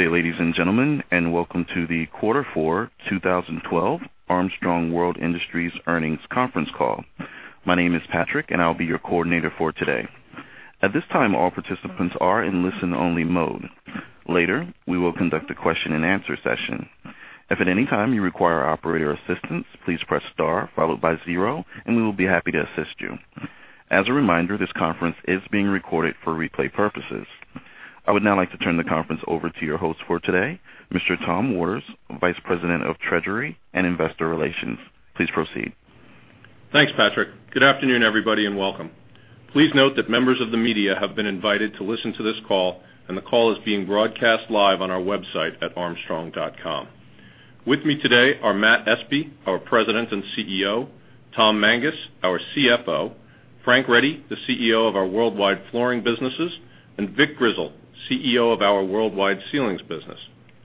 Good day, ladies and gentlemen, and welcome to the quarter four 2012 Armstrong World Industries earnings conference call. My name is Patrick, and I'll be your coordinator for today. At this time, all participants are in listen-only mode. Later, we will conduct a question and answer session. If at any time you require operator assistance, please press star followed by zero, and we will be happy to assist you. As a reminder, this conference is being recorded for replay purposes. I would now like to turn the conference over to your host for today, Mr. Tom Waters, Vice President of Treasury and Investor Relations. Please proceed. Thanks, Patrick. Good afternoon, everybody, and welcome. Please note that members of the media have been invited to listen to this call, and the call is being broadcast live on our website at armstrong.com. With me today are Matthew Espe, our President and CEO, Thomas Mangas, our CFO, Frank Ready, the CEO of our worldwide flooring businesses, and Vic Grizzle, CEO of our worldwide ceilings business.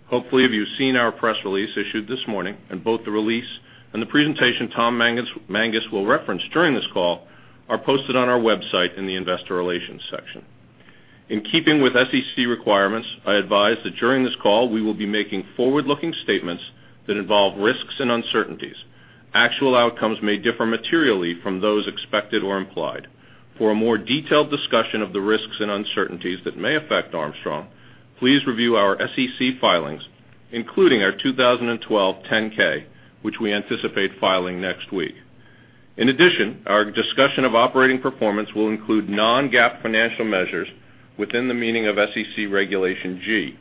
Hopefully, you've seen our press release issued this morning, and both the release and the presentation Thomas Mangas will reference during this call are posted on our website in the investor relations section. In keeping with SEC requirements, I advise that during this call we will be making forward-looking statements that involve risks and uncertainties. Actual outcomes may differ materially from those expected or implied. For a more detailed discussion of the risks and uncertainties that may affect Armstrong, please review our SEC filings, including our 2012 10-K, which we anticipate filing next week. In addition, our discussion of operating performance will include non-GAAP financial measures within the meaning of SEC Regulation G.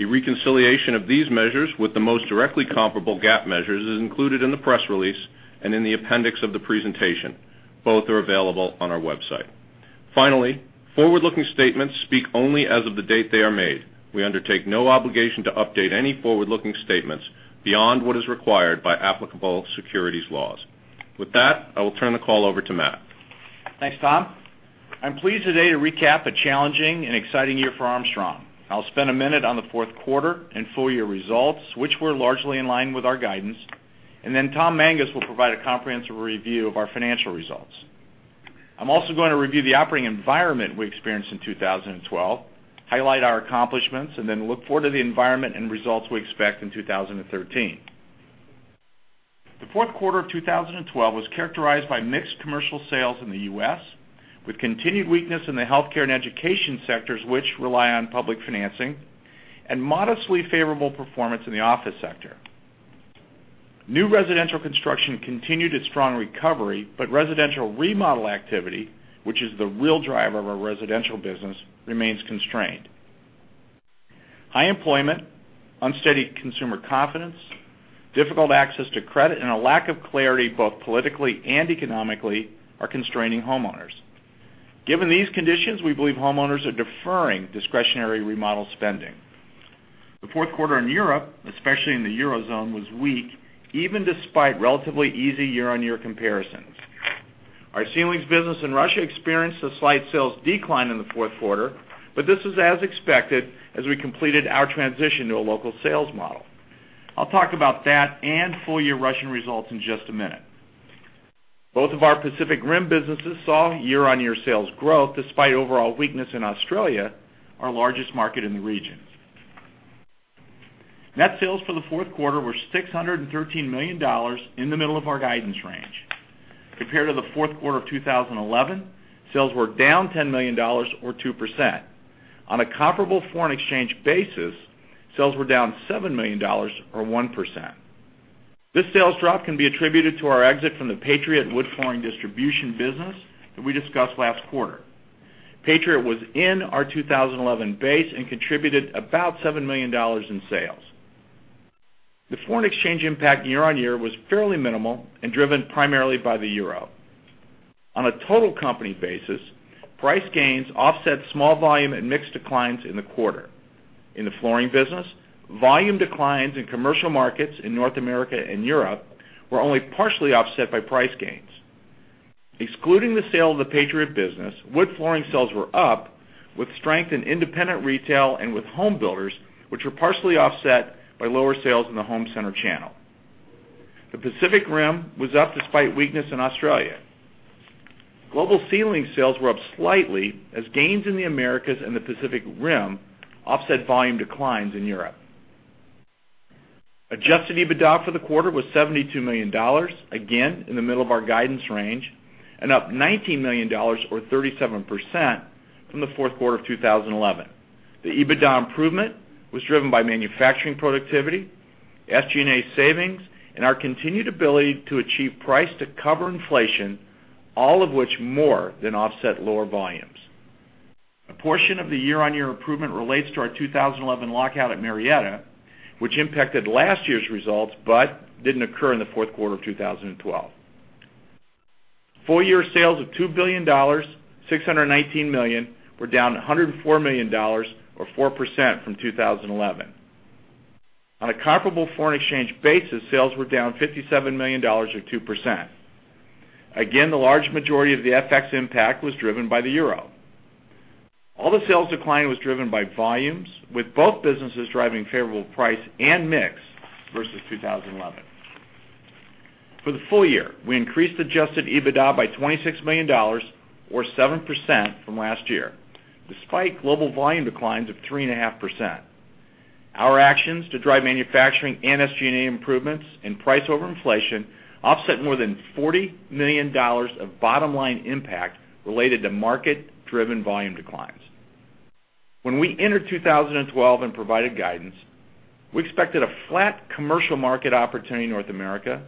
A reconciliation of these measures with the most directly comparable GAAP measures is included in the press release and in the appendix of the presentation. Both are available on our website. Finally, forward-looking statements speak only as of the date they are made. We undertake no obligation to update any forward-looking statements beyond what is required by applicable securities laws. With that, I will turn the call over to Matt. Thanks, Tom. I'm pleased today to recap a challenging and exciting year for Armstrong. I'll spend a minute on the fourth quarter and full-year results, which were largely in line with our guidance, and then Tom Mangas will provide a comprehensive review of our financial results. I'm also going to review the operating environment we experienced in 2012, highlight our accomplishments, and then look forward to the environment and results we expect in 2013. The fourth quarter of 2012 was characterized by mixed commercial sales in the U.S., with continued weakness in the healthcare and education sectors, which rely on public financing, and modestly favorable performance in the office sector. New residential construction continued its strong recovery, but residential remodel activity, which is the real driver of our residential business, remains constrained. High employment, unsteady consumer confidence, difficult access to credit, and a lack of clarity, both politically and economically, are constraining homeowners. Given these conditions, we believe homeowners are deferring discretionary remodel spending. The fourth quarter in Europe, especially in the eurozone, was weak, even despite relatively easy year-on-year comparisons. Our ceilings business in Russia experienced a slight sales decline in the fourth quarter, but this was as expected as we completed our transition to a local sales model. I'll talk about that and full-year Russian results in just a minute. Both of our Pacific Rim businesses saw year-on-year sales growth despite overall weakness in Australia, our largest market in the region. Net sales for the fourth quarter were $613 million, in the middle of our guidance range. Compared to the fourth quarter of 2011, sales were down $10 million, or 2%. On a comparable foreign exchange basis, sales were down $7 million, or 1%. This sales drop can be attributed to our exit from the Patriot wood flooring distribution business that we discussed last quarter. Patriot was in our 2011 base and contributed about $7 million in sales. The foreign exchange impact year-on-year was fairly minimal and driven primarily by the euro. On a total company basis, price gains offset small volume and mix declines in the quarter. In the flooring business, volume declines in commercial markets in North America and Europe were only partially offset by price gains. Excluding the sale of the Patriot business, wood flooring sales were up with strength in independent retail and with home builders, which were partially offset by lower sales in the home center channel. The Pacific Rim was up despite weakness in Australia. Global ceiling sales were up slightly as gains in the Americas and the Pacific Rim offset volume declines in Europe. Adjusted EBITDA for the quarter was $72 million, again in the middle of our guidance range, and up $19 million, or 37%, from the fourth quarter of 2011. The EBITDA improvement was driven by manufacturing productivity, SG&A savings, and our continued ability to achieve price to cover inflation, all of which more than offset lower volumes. A portion of the year-on-year improvement relates to our 2011 lockout at Marietta, which impacted last year's results but didn't occur in the fourth quarter of 2012. Full-year sales of $2,619 million were down $104 million, or 4%, from 2011. On a comparable foreign exchange basis, sales were down $57 million, or 2%. Again, the large majority of the FX impact was driven by the euro. All the sales decline was driven by volumes, with both businesses driving favorable price and mix versus 2011. For the full-year, we increased adjusted EBITDA by $26 million, or 7% from last year, despite global volume declines of 3.5%. Our actions to drive manufacturing and SG&A improvements and price over inflation offset more than $40 million of bottom-line impact related to market-driven volume declines. When we entered 2012 and provided guidance, we expected a flat commercial market opportunity in North America,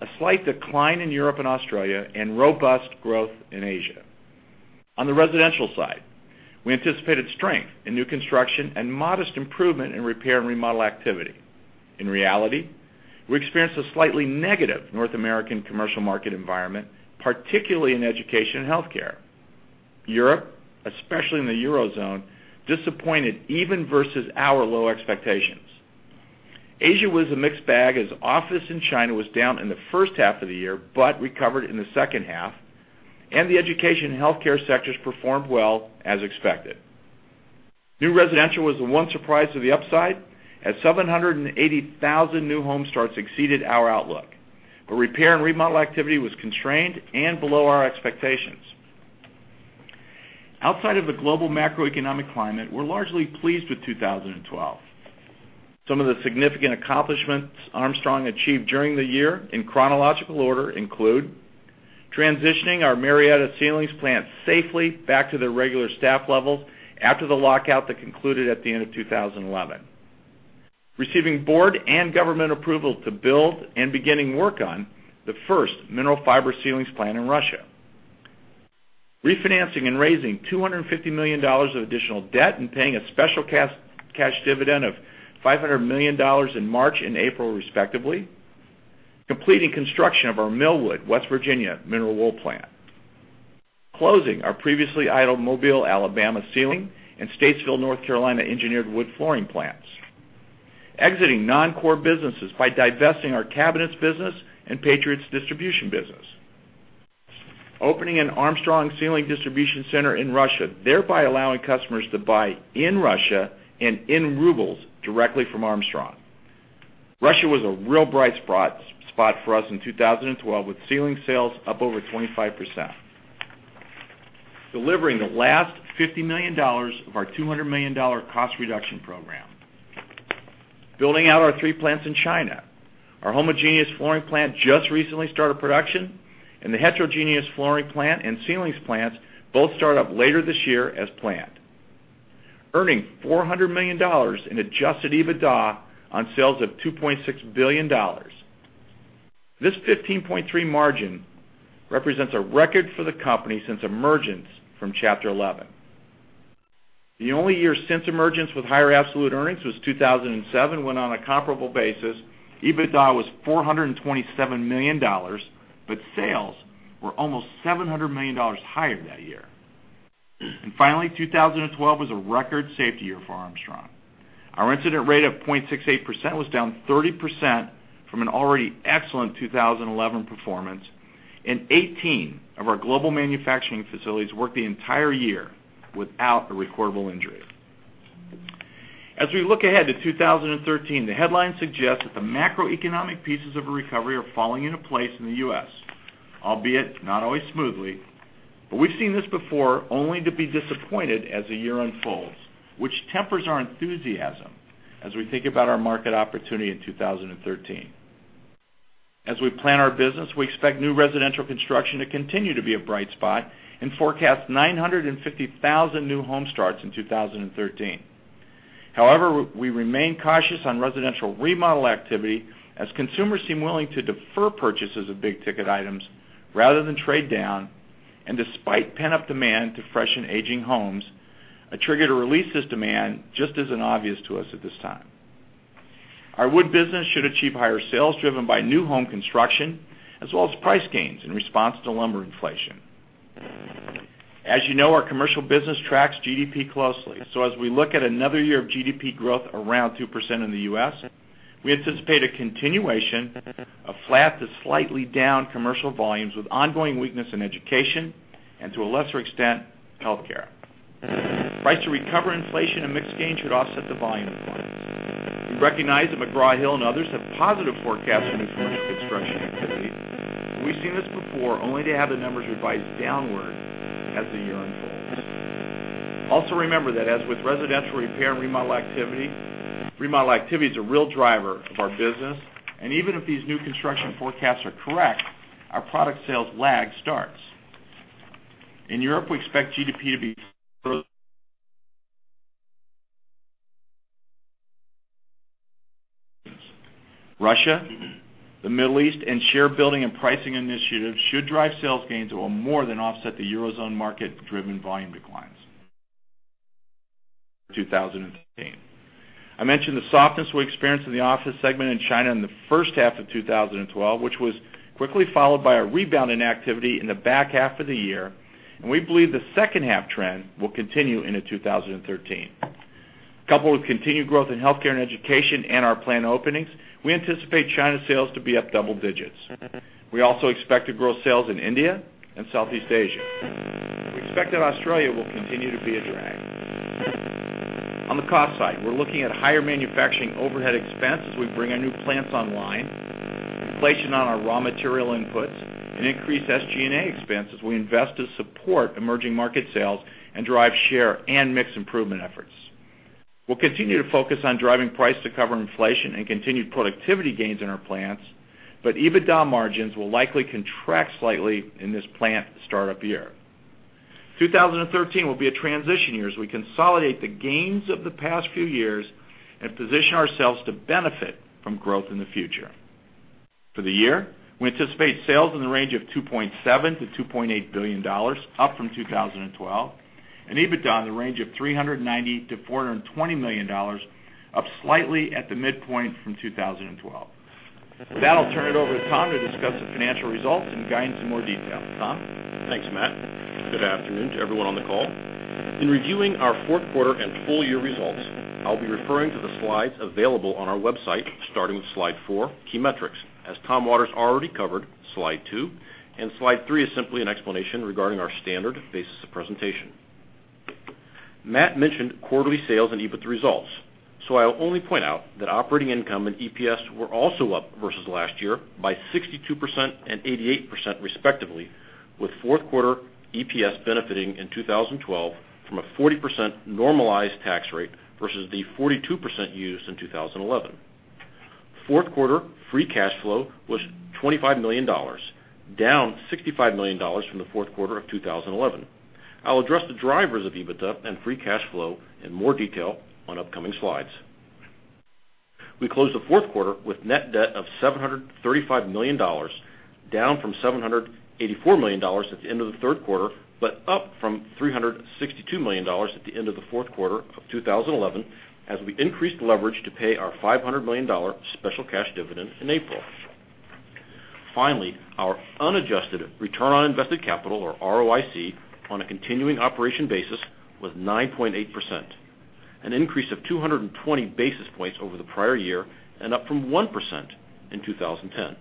a slight decline in Europe and Australia, and robust growth in Asia. On the residential side, we anticipated strength in new construction and modest improvement in repair and remodel activity. In reality, we experienced a slightly negative North American commercial market environment, particularly in education and healthcare. Europe, especially in the eurozone, disappointed even versus our low expectations. Asia was a mixed bag, as office in China was down in the first half of the year but recovered in the second half, and the education and healthcare sectors performed well as expected. New residential was the one surprise to the upside, as 780,000 new home starts exceeded our outlook. Repair and remodel activity was constrained and below our expectations. Outside of the global macroeconomic climate, we're largely pleased with 2012. Some of the significant accomplishments Armstrong achieved during the year, in chronological order, include transitioning our Marietta ceilings plant safely back to their regular staff levels after the lockout that concluded at the end of 2011, receiving board and government approval to build and beginning work on the first mineral fiber ceilings plant in Russia, refinancing and raising $250 million of additional debt and paying a special cash dividend of $500 million in March and April respectively, completing construction of our Millwood, West Virginia mineral wool plant, closing our previously idle Mobile, Alabama ceiling and Statesville, North Carolina engineered wood flooring plants, exiting non-core businesses by divesting our Cabinets business and Patriot distribution business, opening an Armstrong Ceiling distribution center in Russia, thereby allowing customers to buy in Russia and in rubles directly from Armstrong. Russia was a real bright spot for us in 2012, with ceiling sales up over 25%. Delivering the last $50 million of our $200 million cost reduction program. Building out our three plants in China. Our homogeneous flooring plant just recently started production, and the heterogeneous flooring plant and ceilings plants both start up later this year as planned. Earning $400 million in adjusted EBITDA on sales of $2.6 billion. This 15.3% margin represents a record for the company since emergence from Chapter 11. The only year since emergence with higher absolute earnings was 2007, when on a comparable basis, EBITDA was $427 million, but sales were almost $700 million higher that year. Finally, 2012 was a record safety year for Armstrong. Our incident rate of 0.68% was down 30% from an already excellent 2011 performance, and 18 of our global manufacturing facilities worked the entire year without a recordable injury. As we look ahead to 2013, the headlines suggest that the macroeconomic pieces of a recovery are falling into place in the U.S., albeit not always smoothly. We've seen this before, only to be disappointed as the year unfolds, which tempers our enthusiasm as we think about our market opportunity in 2013. As we plan our business, we expect new residential construction to continue to be a bright spot and forecast 950,000 new home starts in 2013. However, we remain cautious on residential remodel activity as consumers seem willing to defer purchases of big-ticket items rather than trade down. Despite pent-up demand to freshen aging homes, a trigger to release this demand just isn't obvious to us at this time. Our wood business should achieve higher sales driven by new home construction as well as price gains in response to lumber inflation. As you know, our commercial business tracks GDP closely. As we look at another year of GDP growth around 2% in the U.S., we anticipate a continuation of flat to slightly down commercial volumes with ongoing weakness in education and, to a lesser extent, healthcare. Price to recover inflation and mix gain should offset the volume declines. We recognize that McGraw-Hill and others have positive forecasts for new construction activity. We've seen this before, only to have the numbers revised downward as the year unfolds. Remember that as with residential repair and remodel activity, remodel activity is a real driver of our business. Even if these new construction forecasts are correct, our product sales lag starts. In Europe, we expect GDP to be Russia, the Middle East, and share building and pricing initiatives should drive sales gains that will more than offset the eurozone market-driven volume declines 2013. I mentioned the softness we experienced in the office segment in China in the first half of 2012, which was quickly followed by a rebound in activity in the back half of the year. We believe the second half trend will continue into 2013. Coupled with continued growth in healthcare and education and our planned openings, we anticipate China sales to be up double digits. We also expect to grow sales in India and Southeast Asia. We expect that Australia will continue to be a drag. On the cost side, we're looking at higher manufacturing overhead expense as we bring our new plants online, inflation on our raw material inputs, and increased SG&A expense as we invest to support emerging market sales and drive share and mix improvement efforts. We'll continue to focus on driving price to cover inflation and continued productivity gains in our plants. EBITDA margins will likely contract slightly in this plant startup year. 2013 will be a transition year as we consolidate the gains of the past few years and position ourselves to benefit from growth in the future. For the year, we anticipate sales in the range of $2.7 billion-$2.8 billion, up from 2012, and EBITDA in the range of $390 million-$420 million, up slightly at the midpoint from 2012. With that, I'll turn it over to Tom to discuss the financial results and guidance in more detail. Tom? Thanks, Matt. Good afternoon to everyone on the call. In reviewing our fourth quarter and full year results, I will be referring to the slides available on our website, starting with Slide four, Key Metrics, as Tom Waters already covered Slide two, and Slide three is simply an explanation regarding our standard basis of presentation. Matt mentioned quarterly sales and EBIT results, so I will only point out that operating income and EPS were also up versus last year by 62% and 88% respectively, with fourth quarter EPS benefiting in 2012 from a 40% normalized tax rate versus the 42% used in 2011. Fourth quarter free cash flow was $25 million, down $65 million from the fourth quarter of 2011. I will address the drivers of EBITDA and free cash flow in more detail on upcoming slides. We closed the fourth quarter with net debt of $735 million, down from $784 million at the end of the third quarter, but up from $362 million at the end of the fourth quarter of 2011, as we increased leverage to pay our $500 million special cash dividend in April. Finally, our unadjusted return on invested capital, or ROIC, on a continuing operation basis was 9.8%, an increase of 220 basis points over the prior year and up from 1% in 2010.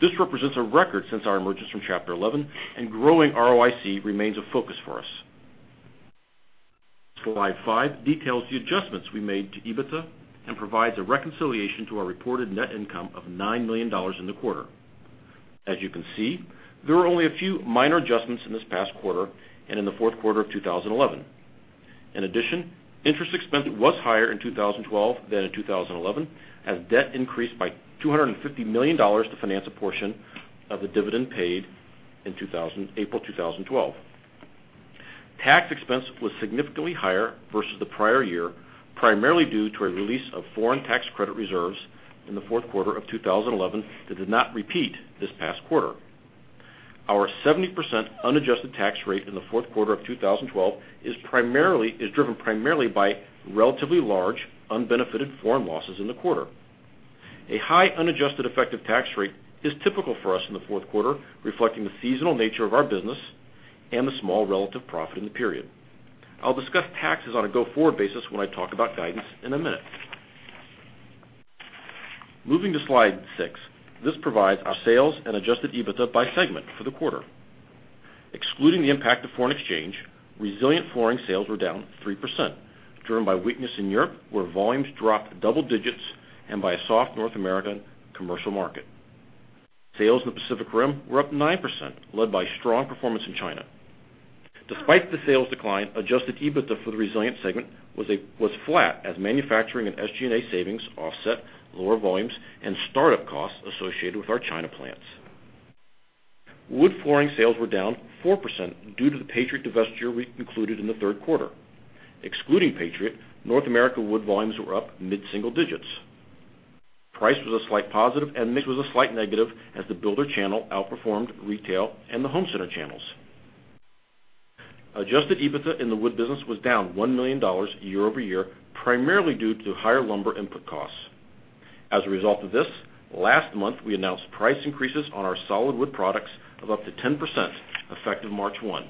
This represents a record since our emergence from Chapter 11, and growing ROIC remains a focus for us. Slide five details the adjustments we made to EBITDA and provides a reconciliation to our reported net income of $9 million in the quarter. As you can see, there were only a few minor adjustments in this past quarter and in the fourth quarter of 2011. In addition, interest expense was higher in 2012 than in 2011, as debt increased by $250 million to finance a portion of the dividend paid in April 2012. Tax expense was significantly higher versus the prior year, primarily due to a release of foreign tax credit reserves in the fourth quarter of 2011 that did not repeat this past quarter. Our 70% unadjusted tax rate in the fourth quarter of 2012 is driven primarily by relatively large unbenefited foreign losses in the quarter. A high unadjusted effective tax rate is typical for us in the fourth quarter, reflecting the seasonal nature of our business and the small relative profit in the period. I will discuss taxes on a go-forward basis when I talk about guidance in a minute. Moving to Slide six, this provides our sales and adjusted EBITDA by segment for the quarter. Excluding the impact of foreign exchange, resilient flooring sales were down 3%, driven by weakness in Europe, where volumes dropped double digits, and by a soft North American commercial market. Sales in the Pacific Rim were up 9%, led by strong performance in China. Despite the sales decline, adjusted EBITDA for the Resilient segment was flat as manufacturing and SG&A savings offset lower volumes and startup costs associated with our China plants. Wood flooring sales were down 4% due to the Patriot divestiture we concluded in the third quarter. Excluding Patriot, North America wood volumes were up mid-single digits. Price was a slight positive, and mix was a slight negative, as the builder channel outperformed retail and the home center channels. Adjusted EBITDA in the wood business was down $1 million year-over-year, primarily due to higher lumber input costs. As a result of this, last month, we announced price increases on our solid wood products of up to 10%, effective March 1.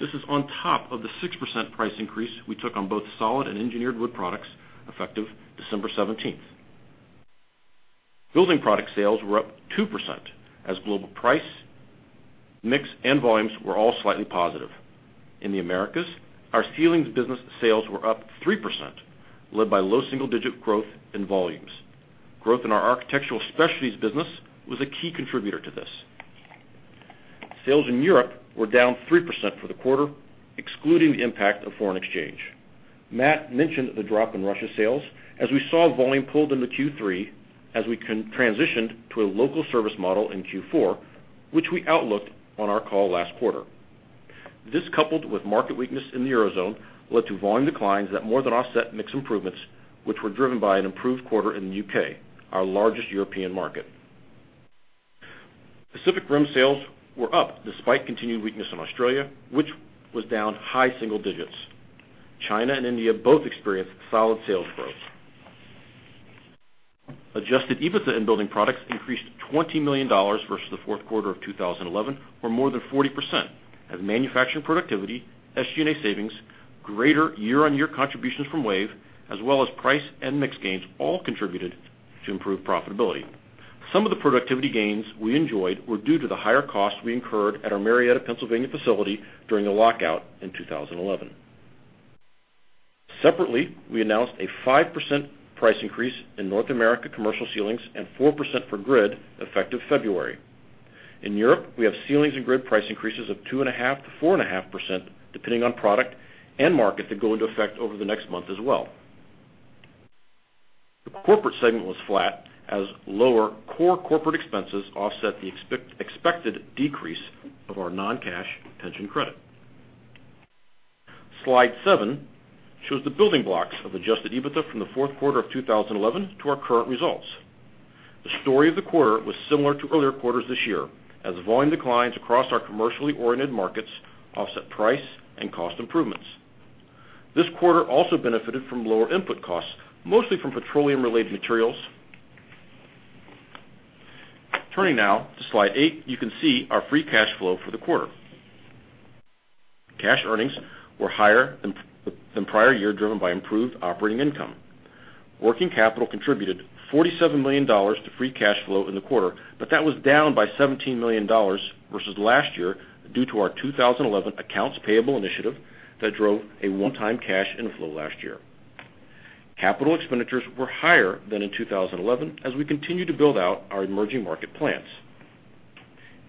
This is on top of the 6% price increase we took on both solid and engineered wood products effective December 17th. Building product sales were up 2% as global price, mix, and volumes were all slightly positive. In the Americas, our ceilings business sales were up 3%, led by low single-digit growth in volumes. Growth in our Architectural Specialties business was a key contributor to this. Sales in Europe were down 3% for the quarter, excluding the impact of foreign exchange. Matt mentioned the drop in Russia sales as we saw volume pulled into Q3 as we transitioned to a local service model in Q4, which we outlooked on our call last quarter. This, coupled with market weakness in the Eurozone, led to volume declines that more than offset mix improvements, which were driven by an improved quarter in the U.K., our largest European market. Pacific Rim sales were up despite continued weakness in Australia, which was down high single digits. China and India both experienced solid sales growth. Adjusted EBITDA in building products increased $20 million versus the fourth quarter of 2011, or more than 40%, as manufacturing productivity, SG&A savings, greater year-on-year contributions from WAVE, as well as price and mix gains all contributed to improved profitability. Some of the productivity gains we enjoyed were due to the higher costs we incurred at our Marietta, Pennsylvania facility during the lockout in 2011. Separately, we announced a 5% price increase in North America commercial ceilings and 4% for grid, effective February. In Europe, we have ceilings and grid price increases of 2.5%-4.5%, depending on product and market, that go into effect over the next month as well. The corporate segment was flat as lower core corporate expenses offset the expected decrease of our non-cash pension credit. Slide seven shows the building blocks of adjusted EBITDA from the fourth quarter of 2011 to our current results. The story of the quarter was similar to earlier quarters this year, as volume declines across our commercially oriented markets offset price and cost improvements. This quarter also benefited from lower input costs, mostly from petroleum-related materials. Turning now to slide eight, you can see our free cash flow for the quarter. Cash earnings were higher than prior year, driven by improved operating income. Working capital contributed $47 million to free cash flow in the quarter, but that was down by $17 million versus last year due to our 2011 accounts payable initiative that drove a one-time cash inflow last year. Capital expenditures were higher than in 2011 as we continue to build out our emerging market plans.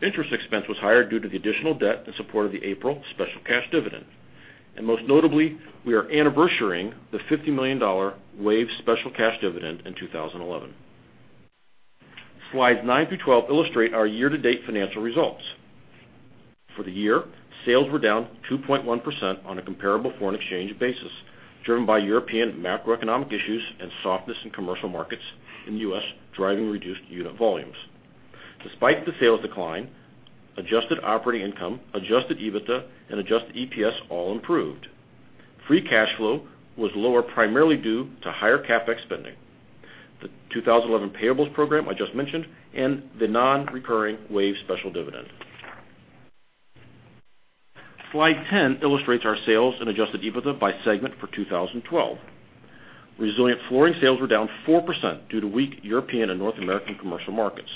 Interest expense was higher due to the additional debt in support of the April special cash dividend. Most notably, we are anniversaring the $50 million WAVE special cash dividend in 2011. Slides nine through 12 illustrate our year-to-date financial results. For the year, sales were down 2.1% on a comparable foreign exchange basis, driven by European macroeconomic issues and softness in commercial markets in the U.S., driving reduced unit volumes. Despite the sales decline, adjusted operating income, adjusted EBITDA, and adjusted EPS all improved. Free cash flow was lower, primarily due to higher CapEx spending. The 2011 payables program I just mentioned, and the non-recurring WAVE special dividend. Slide 10 illustrates our sales and adjusted EBITDA by segment for 2012. Resilient flooring sales were down 4% due to weak European and North American commercial markets.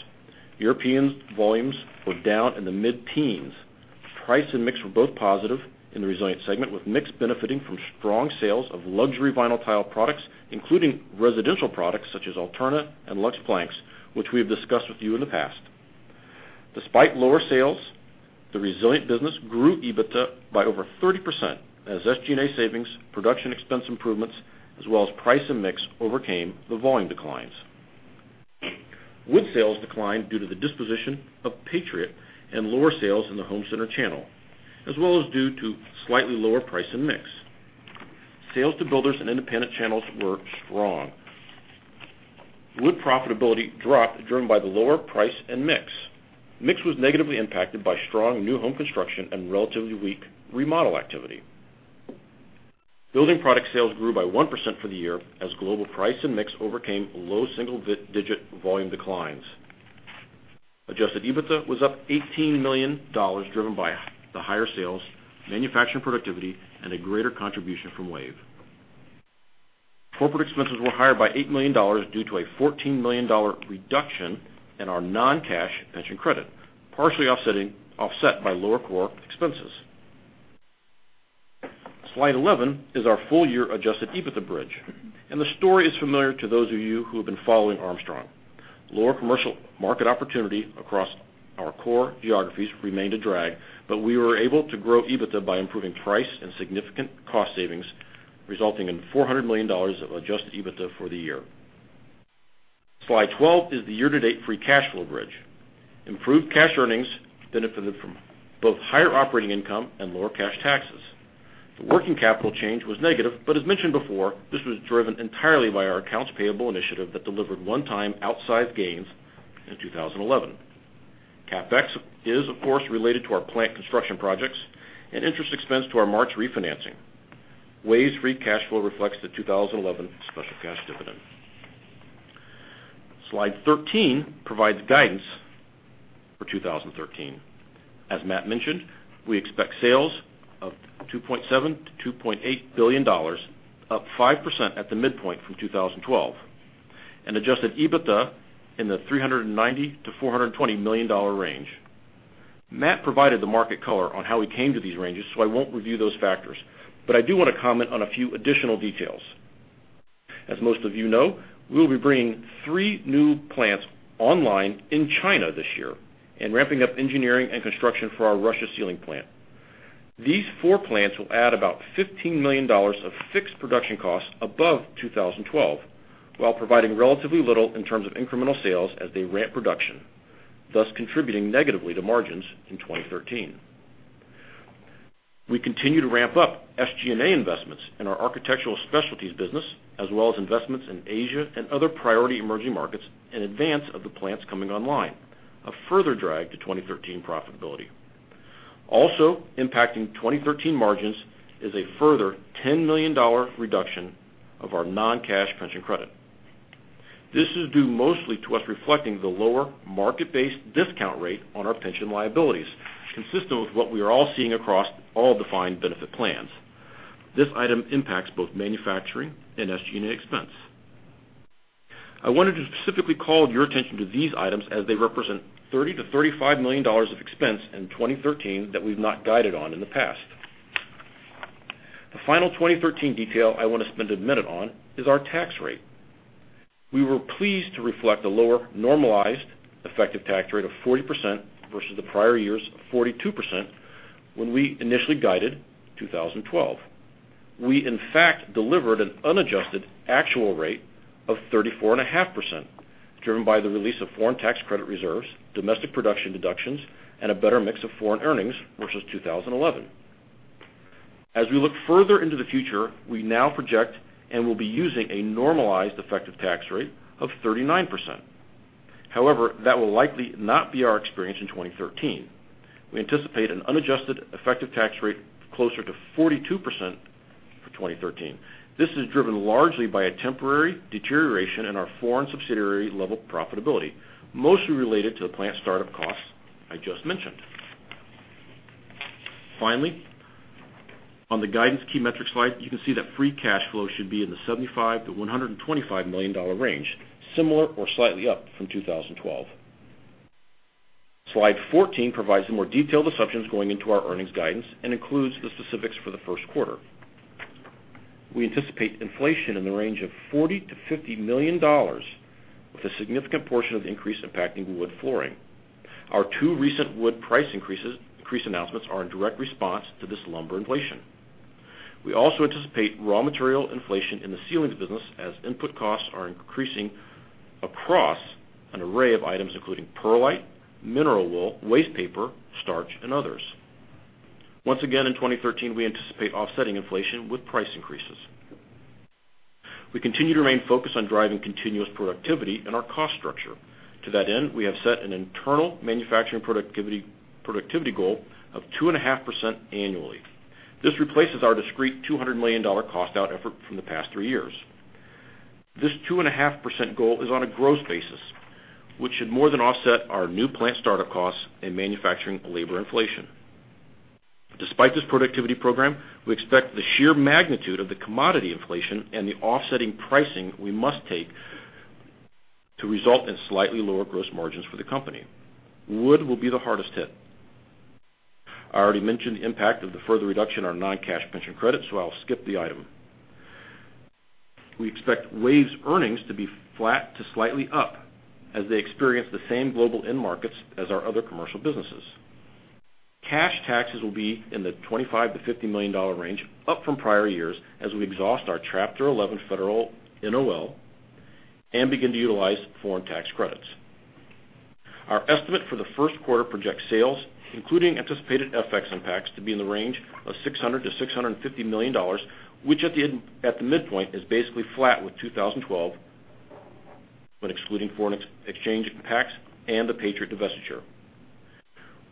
European volumes were down in the mid-teens. Price and mix were both positive in the Resilient segment, with mix benefiting from strong sales of Luxury Vinyl Tile products, including residential products such as Alterna and Luxe Planks, which we have discussed with you in the past. Despite lower sales, the Resilient business grew EBITDA by over 30% as SG&A savings, production expense improvements, as well as price and mix overcame the volume declines. Wood sales declined due to the disposition of Patriot and lower sales in the home center channel, as well as due to slightly lower price and mix. Sales to builders and independent channels were strong. Wood profitability dropped, driven by the lower price and mix. Mix was negatively impacted by strong new home construction and relatively weak remodel activity. Building product sales grew by 1% for the year as global price and mix overcame low single-digit volume declines. Adjusted EBITDA was up $18 million, driven by the higher sales, manufacturing productivity, and a greater contribution from WAVE. Corporate expenses were higher by $8 million due to a $14 million reduction in our non-cash pension credit, partially offset by lower core expenses. Slide 11 is our full-year adjusted EBITDA bridge. The story is familiar to those of you who have been following Armstrong. Lower commercial market opportunity across our core geographies remained a drag. We were able to grow EBITDA by improving price and significant cost savings, resulting in $400 million of adjusted EBITDA for the year. Slide 12 is the year-to-date free cash flow bridge. Improved cash earnings benefited from both higher operating income and lower cash taxes. The working capital change was negative. As mentioned before, this was driven entirely by our accounts payable initiative that delivered one-time outsized gains in 2011. CapEx is, of course, related to our plant construction projects and interest expense to our March refinancing. WAVE's free cash flow reflects the 2011 special cash dividend. Slide 13 provides guidance for 2013. As Matt mentioned, we expect sales of $2.7 billion to $2.8 billion, up 5% at the midpoint from 2012, and adjusted EBITDA in the $390 million to $420 million range. Matt provided the market color on how we came to these ranges. I won't review those factors. I do want to comment on a few additional details. As most of you know, we'll be bringing three new plants online in China this year and ramping up engineering and construction for our Russia ceiling plant. These four plants will add about $15 million of fixed production costs above 2012 while providing relatively little in terms of incremental sales as they ramp production, thus contributing negatively to margins in 2013. We continue to ramp up SG&A investments in our Architectural Specialties business, as well as investments in Asia and other priority emerging markets in advance of the plants coming online, a further drag to 2013 profitability. Also impacting 2013 margins is a further $10 million reduction of our non-cash pension credit. This is due mostly to us reflecting the lower market-based discount rate on our pension liabilities, consistent with what we are all seeing across all defined benefit plans. This item impacts both manufacturing and SG&A expense. I wanted to specifically call your attention to these items, as they represent $30 million-$35 million of expense in 2013 that we've not guided on in the past. The final 2013 detail I want to spend a minute on is our tax rate. We were pleased to reflect a lower normalized effective tax rate of 40% versus the prior year's 42% when we initially guided 2012. We in fact delivered an unadjusted actual rate of 34.5%, driven by the release of foreign tax credit reserves, domestic production deductions, and a better mix of foreign earnings versus 2011. As we look further into the future, we now project and will be using a normalized effective tax rate of 39%. That will likely not be our experience in 2013. We anticipate an unadjusted effective tax rate closer to 42% for 2013. This is driven largely by a temporary deterioration in our foreign subsidiary level profitability, mostly related to the plant startup costs I just mentioned. On the guidance key metrics slide, you can see that free cash flow should be in the $75 million-$125 million range, similar or slightly up from 2012. Slide 14 provides some more detailed assumptions going into our earnings guidance and includes the specifics for the first quarter. We anticipate inflation in the range of $40 million-$50 million, with a significant portion of the increase impacting wood flooring. Our two recent wood price increase announcements are in direct response to this lumber inflation. We also anticipate raw material inflation in the ceilings business as input costs are increasing across an array of items, including perlite, mineral wool, waste paper, starch, and others. In 2013, we anticipate offsetting inflation with price increases. We continue to remain focused on driving continuous productivity in our cost structure. To that end, we have set an internal manufacturing productivity goal of 2.5% annually. This replaces our discrete $200 million cost-out effort from the past three years. This 2.5% goal is on a gross basis, which should more than offset our new plant startup costs and manufacturing labor inflation. Despite this productivity program, we expect the sheer magnitude of the commodity inflation and the offsetting pricing we must take to result in slightly lower gross margins for the company. Wood will be the hardest hit. I already mentioned the impact of the further reduction in our non-cash pension credit, so I'll skip the item. We expect WAVE's earnings to be flat to slightly up as they experience the same global end markets as our other commercial businesses. Cash taxes will be in the $25 million-$50 million range, up from prior years, as we exhaust our Chapter 11 federal NOL and begin to utilize foreign tax credits. Our estimate for the first quarter projects sales, including anticipated FX impacts, to be in the range of $600 million-$650 million, which at the midpoint is basically flat with 2012 when excluding foreign exchange impacts and the Patriot divestiture.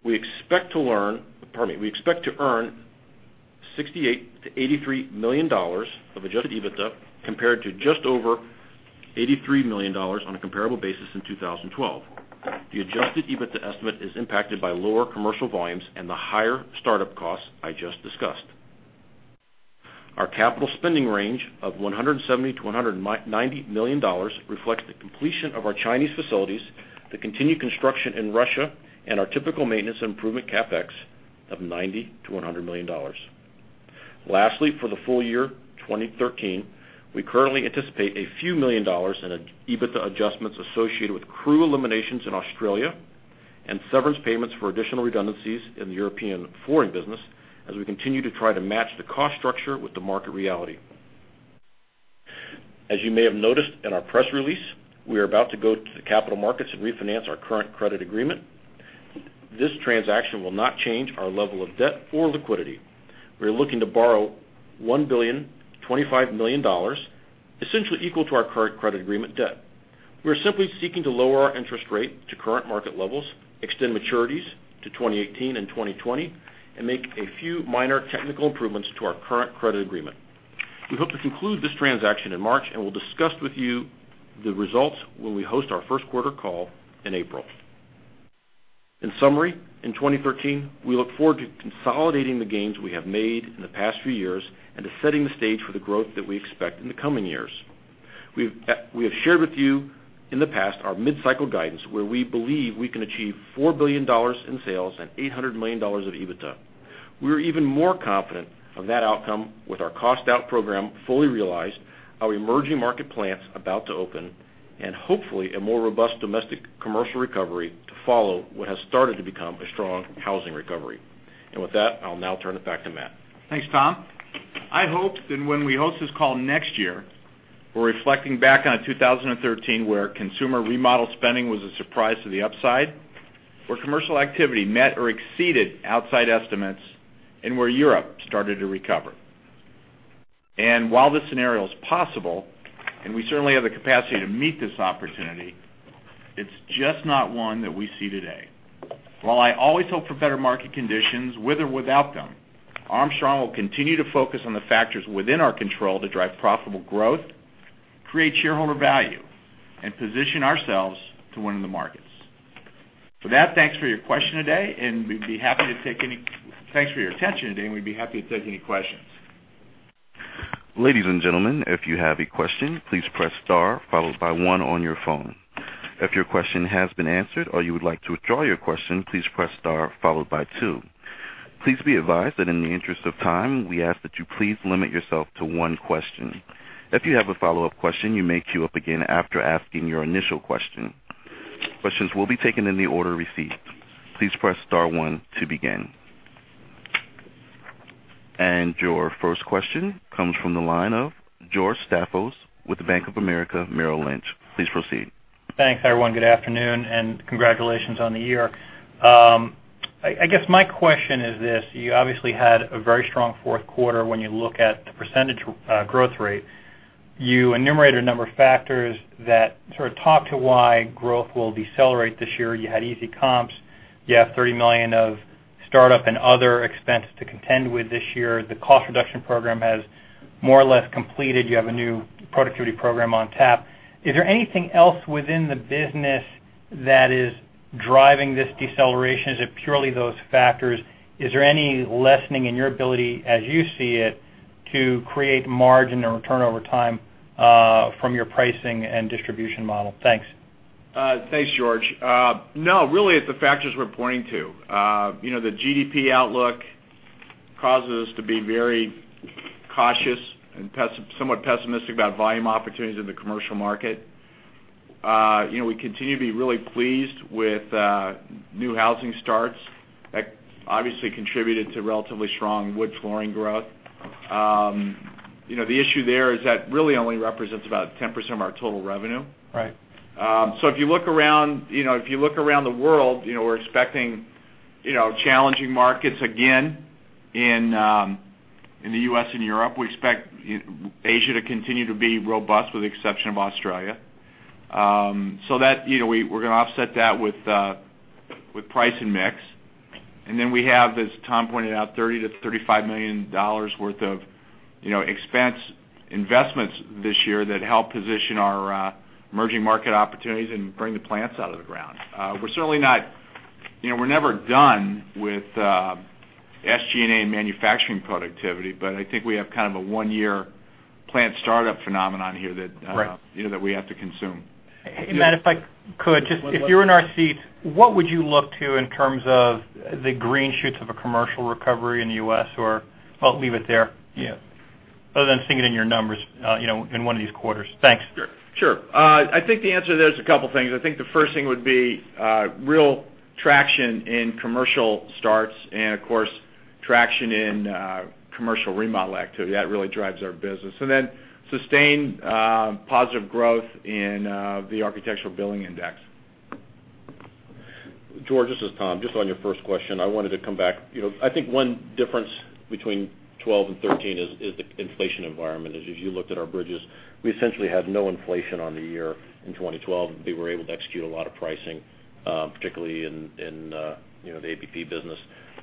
We expect to earn $68 million-$83 million of adjusted EBITDA compared to just over $83 million on a comparable basis in 2012. The adjusted EBITDA estimate is impacted by lower commercial volumes and the higher startup costs I just discussed. Our capital spending range of $170 million-$190 million reflects the completion of our Chinese facilities, the continued construction in Russia, and our typical maintenance improvement CapEx of $90 million-$100 million. Lastly, for the full year 2013, we currently anticipate a few million dollars in EBITDA adjustments associated with crew eliminations in Australia and severance payments for additional redundancies in the European flooring business as we continue to try to match the cost structure with the market reality. As you may have noticed in our press release, we are about to go to the capital markets and refinance our current credit agreement. This transaction will not change our level of debt or liquidity. We are looking to borrow $1.025 billion, essentially equal to our current credit agreement debt. We are simply seeking to lower our interest rate to current market levels, extend maturities to 2018 and 2020, and make a few minor technical improvements to our current credit agreement. We hope to conclude this transaction in March, and we'll discuss with you the results when we host our first quarter call in April. In summary, in 2013, we look forward to consolidating the gains we have made in the past few years and to setting the stage for the growth that we expect in the coming years. We have shared with you in the past our mid-cycle guidance where we believe we can achieve $4 billion in sales and $800 million of EBITDA. We are even more confident of that outcome with our cost-out program fully realized, our emerging market plants about to open, and hopefully a more robust domestic commercial recovery to follow what has started to become a strong housing recovery. With that, I'll now turn it back to Matt. Thanks, Tom. I hoped that when we host this call next year, we're reflecting back on a 2013 where consumer remodel spending was a surprise to the upside, where commercial activity met or exceeded outside estimates, and where Europe started to recover. While this scenario is possible, and we certainly have the capacity to meet this opportunity, it's just not one that we see today. While I always hope for better market conditions, with or without them, Armstrong will continue to focus on the factors within our control to drive profitable growth, create shareholder value, and position ourselves to win in the markets. With that, thanks for your attention today, and we'd be happy to take any questions. Ladies and gentlemen, if you have a question, please press star followed by one on your phone. If your question has been answered or you would like to withdraw your question, please press star followed by two. Please be advised that in the interest of time, we ask that you please limit yourself to one question. If you have a follow-up question, you may queue up again after asking your initial question. Questions will be taken in the order received. Please press star one to begin. Your first question comes from the line of George Staphos with Bank of America, Merrill Lynch. Please proceed. Thanks, everyone. Good afternoon, and congratulations on the year. I guess my question is this, you obviously had a very strong fourth quarter when you look at the percentage growth rate. You enumerated a number of factors that sort of talk to why growth will decelerate this year. You had easy comps. You have $30 million of startup and other expenses to contend with this year. The cost reduction program has more or less completed. You have a new productivity program on tap. Is there anything else within the business that is driving this deceleration? Is it purely those factors? Is there any lessening in your ability, as you see it, to create margin and return over time, from your pricing and distribution model? Thanks. Thanks, George. No, really, it's the factors we're pointing to. The GDP outlook causes us to be very cautious and somewhat pessimistic about volume opportunities in the commercial market. We continue to be really pleased with new housing starts. That obviously contributed to relatively strong wood flooring growth. The issue there is that really only represents about 10% of our total revenue. Right. If you look around the world, we're expecting challenging markets again in the U.S. and Europe. We expect Asia to continue to be robust with the exception of Australia. We're going to offset that with price and mix. We have, as Tom pointed out, $30 million-$35 million worth of expense investments this year that help position our emerging market opportunities and bring the plants out of the ground. We're never done with SG&A and manufacturing productivity, but I think we have kind of a one-year plant startup phenomenon here that- Right we have to consume. if I could, if you were in our seats, what would you look to in terms of the green shoots of a commercial recovery in the U.S., or I'll leave it there. Yeah. Other than seeing it in your numbers in one of these quarters. Thanks. Sure. I think the answer there is a couple things. I think the first thing would be real traction in commercial starts and, of course, traction in commercial remodel activity. That really drives our business. Sustained positive growth in the Architecture Billings Index. George, this is Tom. Just on your first question, I wanted to come back. I think one difference between 2012 and 2013 is the inflation environment. As you looked at our bridges, we essentially had no inflation on the year in 2012. We were able to execute a lot of pricing, particularly in the ABP business.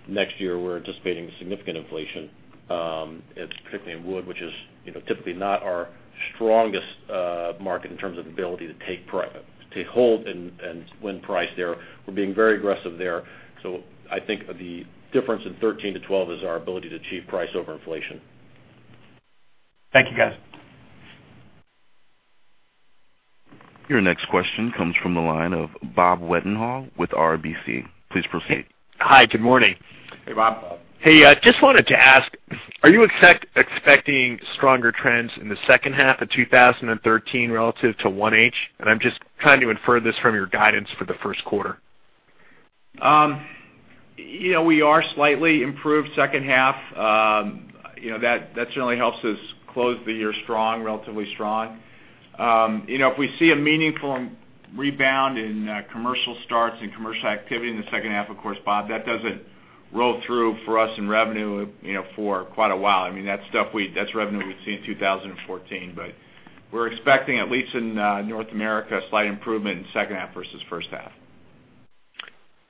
Next year, we're anticipating significant inflation. It's particularly in wood, which is typically not our strongest market in terms of ability to take hold and win price there. We're being very aggressive there. I think the difference in 2013 to 2012 is our ability to achieve price over inflation. Thank you, guys. Your next question comes from the line of Robert Wetenhall with RBC. Please proceed. Hi, good morning. Hey, Bob. just wanted to ask, are you expecting stronger trends in the second half of 2013 relative to 1H? I'm just trying to infer this from your guidance for the first quarter. We are slightly improved second half. That certainly helps us close the year relatively strong. If we see a meaningful rebound in commercial starts and commercial activity in the second half, of course, Bob, that doesn't roll through for us in revenue for quite a while. That's revenue we'd see in 2014. We're expecting, at least in North America, a slight improvement in second half versus first half.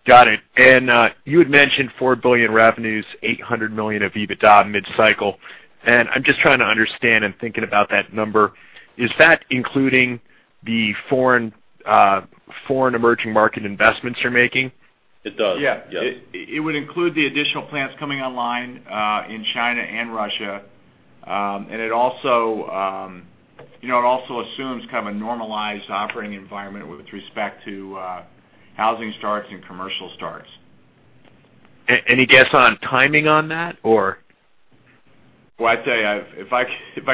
Got it. You had mentioned $4 billion revenues, $800 million of EBITDA mid-cycle. I'm just trying to understand and thinking about that number. Is that including the foreign emerging market investments you're making? It does. Yeah. It would include the additional plants coming online in China and Russia. It also assumes kind of a normalized operating environment with respect to housing starts and commercial starts. Any guess on timing on that, or? Well, I tell you, if I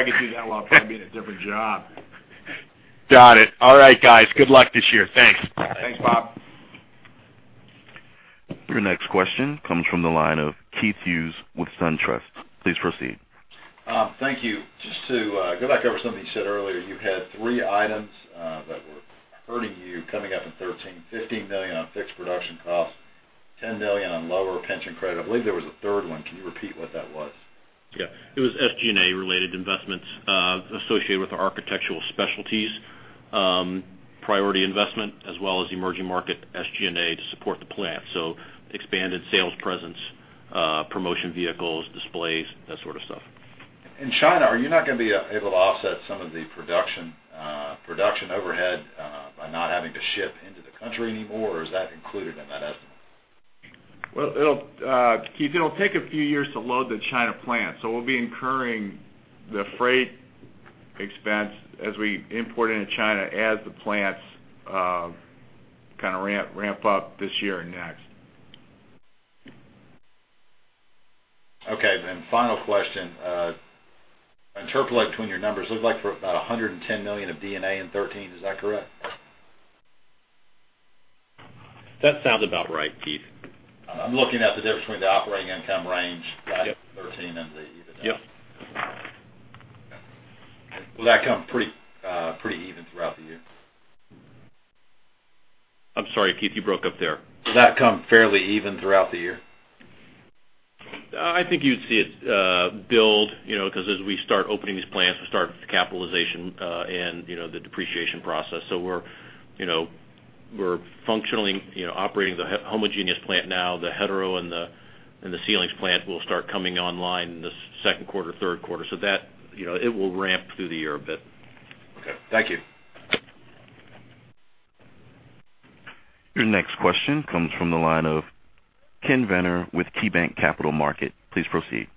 could do that, well, I'd probably be in a different job. Got it. All right, guys. Good luck this year. Thanks. Thanks, Bob. Your next question comes from the line of Keith Hughes with SunTrust. Please proceed. Thank you. Just to go back over something you said earlier. You had three items that were hurting you coming up in 2013, $15 million on fixed production costs, $10 million on lower pension credit. I believe there was a third one. Can you repeat what that was? Yeah. It was SG&A-related investments associated with our Architectural Specialties, priority investment, as well as emerging market SG&A to support the plant. Expanded sales presence, promotion vehicles, displays, that sort of stuff. In China, are you not going to be able to offset some of the production overhead by not having to ship into the country anymore, or is that included in that estimate? Well, Keith, it'll take a few years to load the China plant, so we'll be incurring the freight expense as we import into China as the plants kind of ramp up this year and next. Okay, final question. Interpolate between your numbers, it looks like for about $110 million of D&A in 2013, is that correct? That sounds about right, Keith. I'm looking at the difference between the operating income. Yep 13 and the EBITDA. Yep. Will that come pretty even throughout the year? I'm sorry, Keith, you broke up there. Will that come fairly even throughout the year? I think you'd see it build, because as we start opening these plants, we start capitalization and the depreciation process. We're functionally operating the homogeneous plant now. The hetero and the ceilings plant will start coming online in the second quarter, third quarter. It will ramp through the year a bit. Okay. Thank you. Your next question comes from the line of Kenneth Zener with KeyBanc Capital Markets. Please proceed.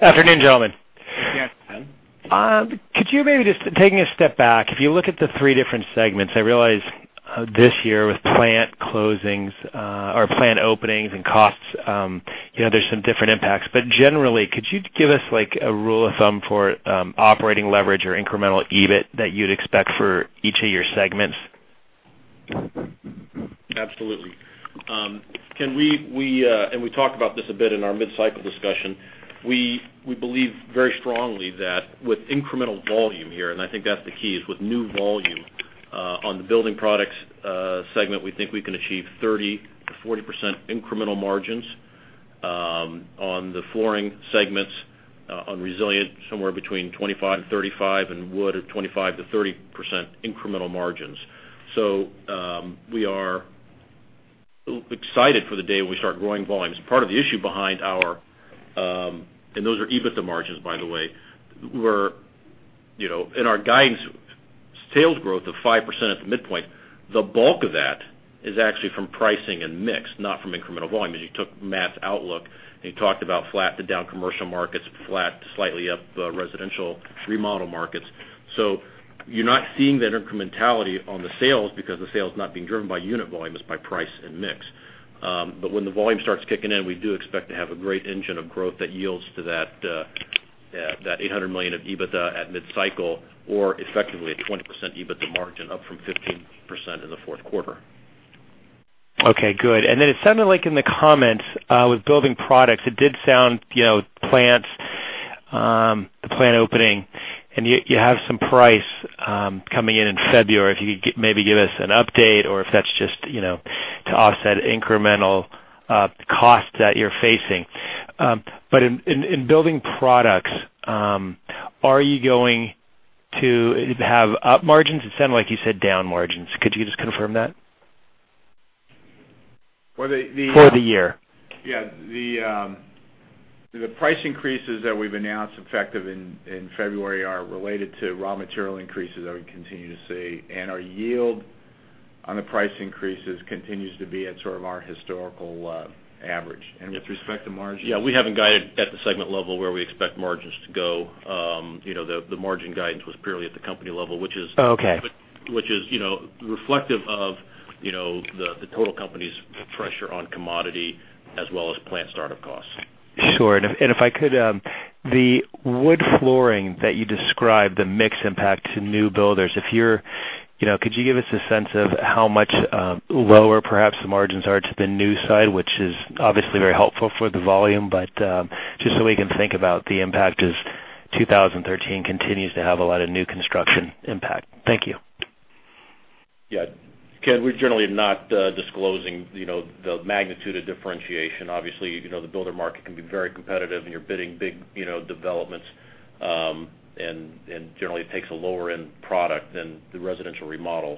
Afternoon, gentlemen. Yes, Ken. Could you maybe just, taking a step back, if you look at the three different segments, I realize this year with plant closings or plant openings and costs, there's some different impacts. Generally, could you give us a rule of thumb for operating leverage or incremental EBIT that you'd expect for each of your segments? Absolutely. Ken, we talked about this a bit in our mid-cycle discussion. We believe very strongly that with incremental volume here, I think that's the key, is with new volume. On the building products segment, we think we can achieve 30%-40% incremental margins. On the flooring segments, on resilient, somewhere between 25%-35%, and wood at 25%-30% incremental margins. We are excited for the day when we start growing volumes. Those are EBITDA margins, by the way. In our guidance sales growth of 5% at the midpoint, the bulk of that is actually from pricing and mix, not from incremental volume. As you took Matt's outlook and he talked about flat to down commercial markets, flat to slightly up residential remodel markets. You're not seeing that incrementality on the sales because the sales not being driven by unit volume, it's by price and mix. When the volume starts kicking in, we do expect to have a great engine of growth that yields to that $800 million of EBITDA at mid cycle or effectively a 20% EBITDA margin up from 15% in the fourth quarter. Okay, good. It sounded like in the comments, with building products, it did sound, the plant opening, you have some price coming in in February. If you could maybe give us an update or if that's just to offset incremental costs that you're facing. In building products, are you going to have up margins? It sounded like you said down margins. Could you just confirm that? Well, For the year. Yeah. The price increases that we've announced effective in February are related to raw material increases that we continue to see. Our yield on the price increases continues to be at sort of our historical average. With respect to margin- Yeah, we haven't guided at the segment level where we expect margins to go. The margin guidance was purely at the company level, which is- Oh, okay which is reflective of the total company's pressure on commodity as well as plant startup costs. Sure. If I could, the wood flooring that you described, the mix impact to new builders. Could you give us a sense of how much lower perhaps the margins are to the new side, which is obviously very helpful for the volume, just so we can think about the impact as 2013 continues to have a lot of new construction impact. Thank you. Yeah. Ken, we're generally not disclosing the magnitude of differentiation. Obviously, the builder market can be very competitive, you're bidding big developments, generally takes a lower-end product than the residential remodel.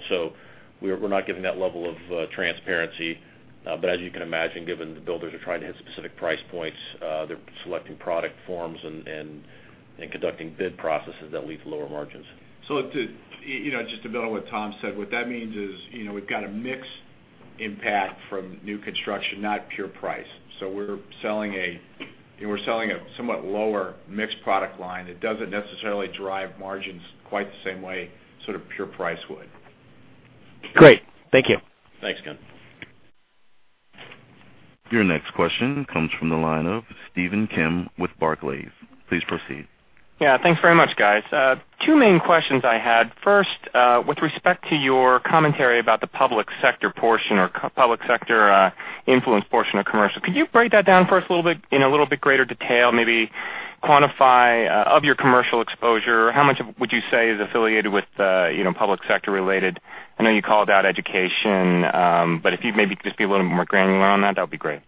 We're not giving that level of transparency. But as you can imagine, given the builders are trying to hit specific price points, they're selecting product forms and conducting bid processes that lead to lower margins. Just to build on what Tom said, what that means is we've got a mix impact from new construction, not pure price. We're selling a somewhat lower mixed product line that doesn't necessarily drive margins quite the same way, sort of pure price would. Great. Thank you. Thanks, Ken. Your next question comes from the line of Stephen Kim with Barclays. Please proceed. Yeah. Thanks very much, guys. Two main questions I had. First, with respect to your commentary about the public sector portion or public sector influence portion of commercial, could you break that down for us a little bit, in a little bit greater detail, maybe quantify, of your commercial exposure, how much of would you say is affiliated with public sector related? I know you called out education, if you maybe could just be a little bit more granular on that would be great.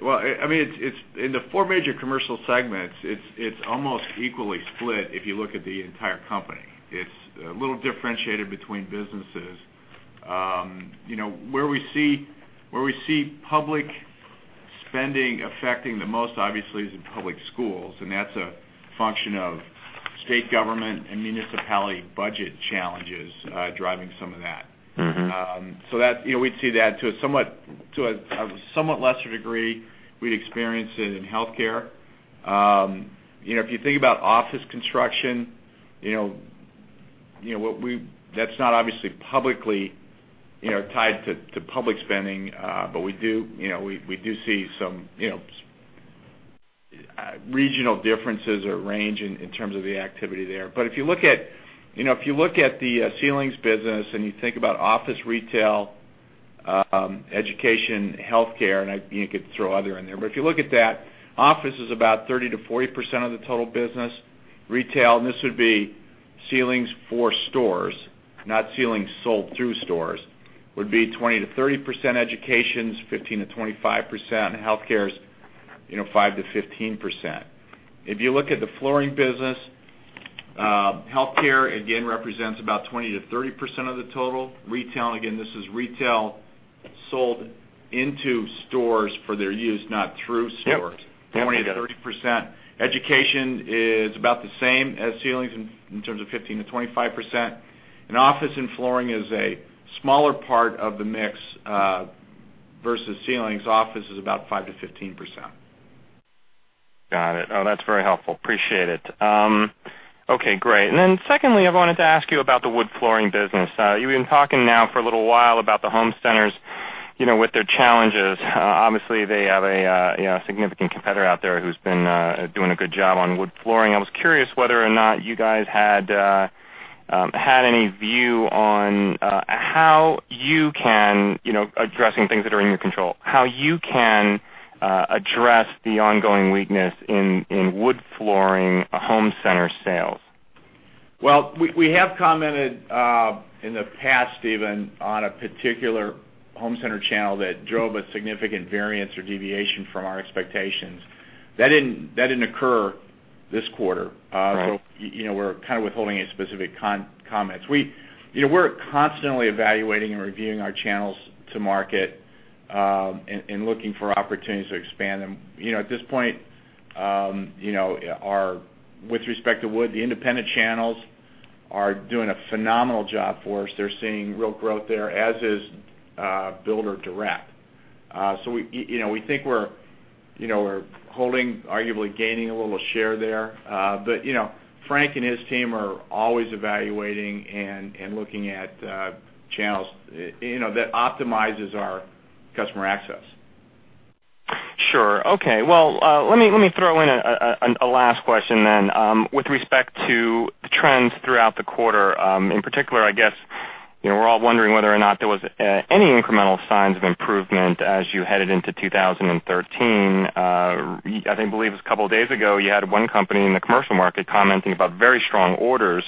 Well, in the four major commercial segments, it is almost equally split if you look at the entire company. It is a little differentiated between businesses. Where we see public spending affecting the most, obviously, is in public schools, that is a function of state government and municipality budget challenges driving some of that. We'd see that to a somewhat lesser degree, we'd experience it in healthcare. If you think about office construction, that's not obviously publicly tied to public spending. We do see some regional differences or range in terms of the activity there. If you look at the ceilings business and you think about office, retail, education, healthcare, and you could throw other in there. If you look at that, office is about 30%-40% of the total business. Retail, and this would be ceilings for stores, not ceilings sold through stores, would be 20%-30%. Education's 15%-25%, and healthcare's 5%-15%. If you look at the flooring business, healthcare, again, represents about 20%-30% of the total. Retail, and again, this is retail sold into stores for their use, not through stores- Yep. Got it. 20%-30%. Education is about the same as ceilings in terms of 15%-25%. Office and flooring is a smaller part of the mix, versus ceilings. Office is about 5%-15%. Got it. Oh, that's very helpful. Appreciate it. Okay, great. Then secondly, I wanted to ask you about the wood flooring business. You've been talking now for a little while about the home centers, with their challenges. Obviously, they have a significant competitor out there who's been doing a good job on wood flooring. I was curious whether or not you guys had any view on how you can, addressing things that are in your control, how you can address the ongoing weakness in wood flooring home center sales. We have commented, in the past, Stephen, on a particular home center channel that drove a significant variance or deviation from our expectations. That didn't occur this quarter. Okay. We're kind of withholding any specific comments. We're constantly evaluating and reviewing our channels to market, and looking for opportunities to expand them. At this point, with respect to wood, the independent channels are doing a phenomenal job for us. They're seeing real growth there, as is builder direct. We think we're holding, arguably gaining, a little share there. Frank and his team are always evaluating and looking at channels that optimizes our customer access. Sure. Okay. Well, let me throw in a last question then. With respect to the trends throughout the quarter, in particular, I guess, we're all wondering whether or not there was any incremental signs of improvement as you headed into 2013. I believe it was a couple of days ago, you had one company in the commercial market commenting about very strong orders,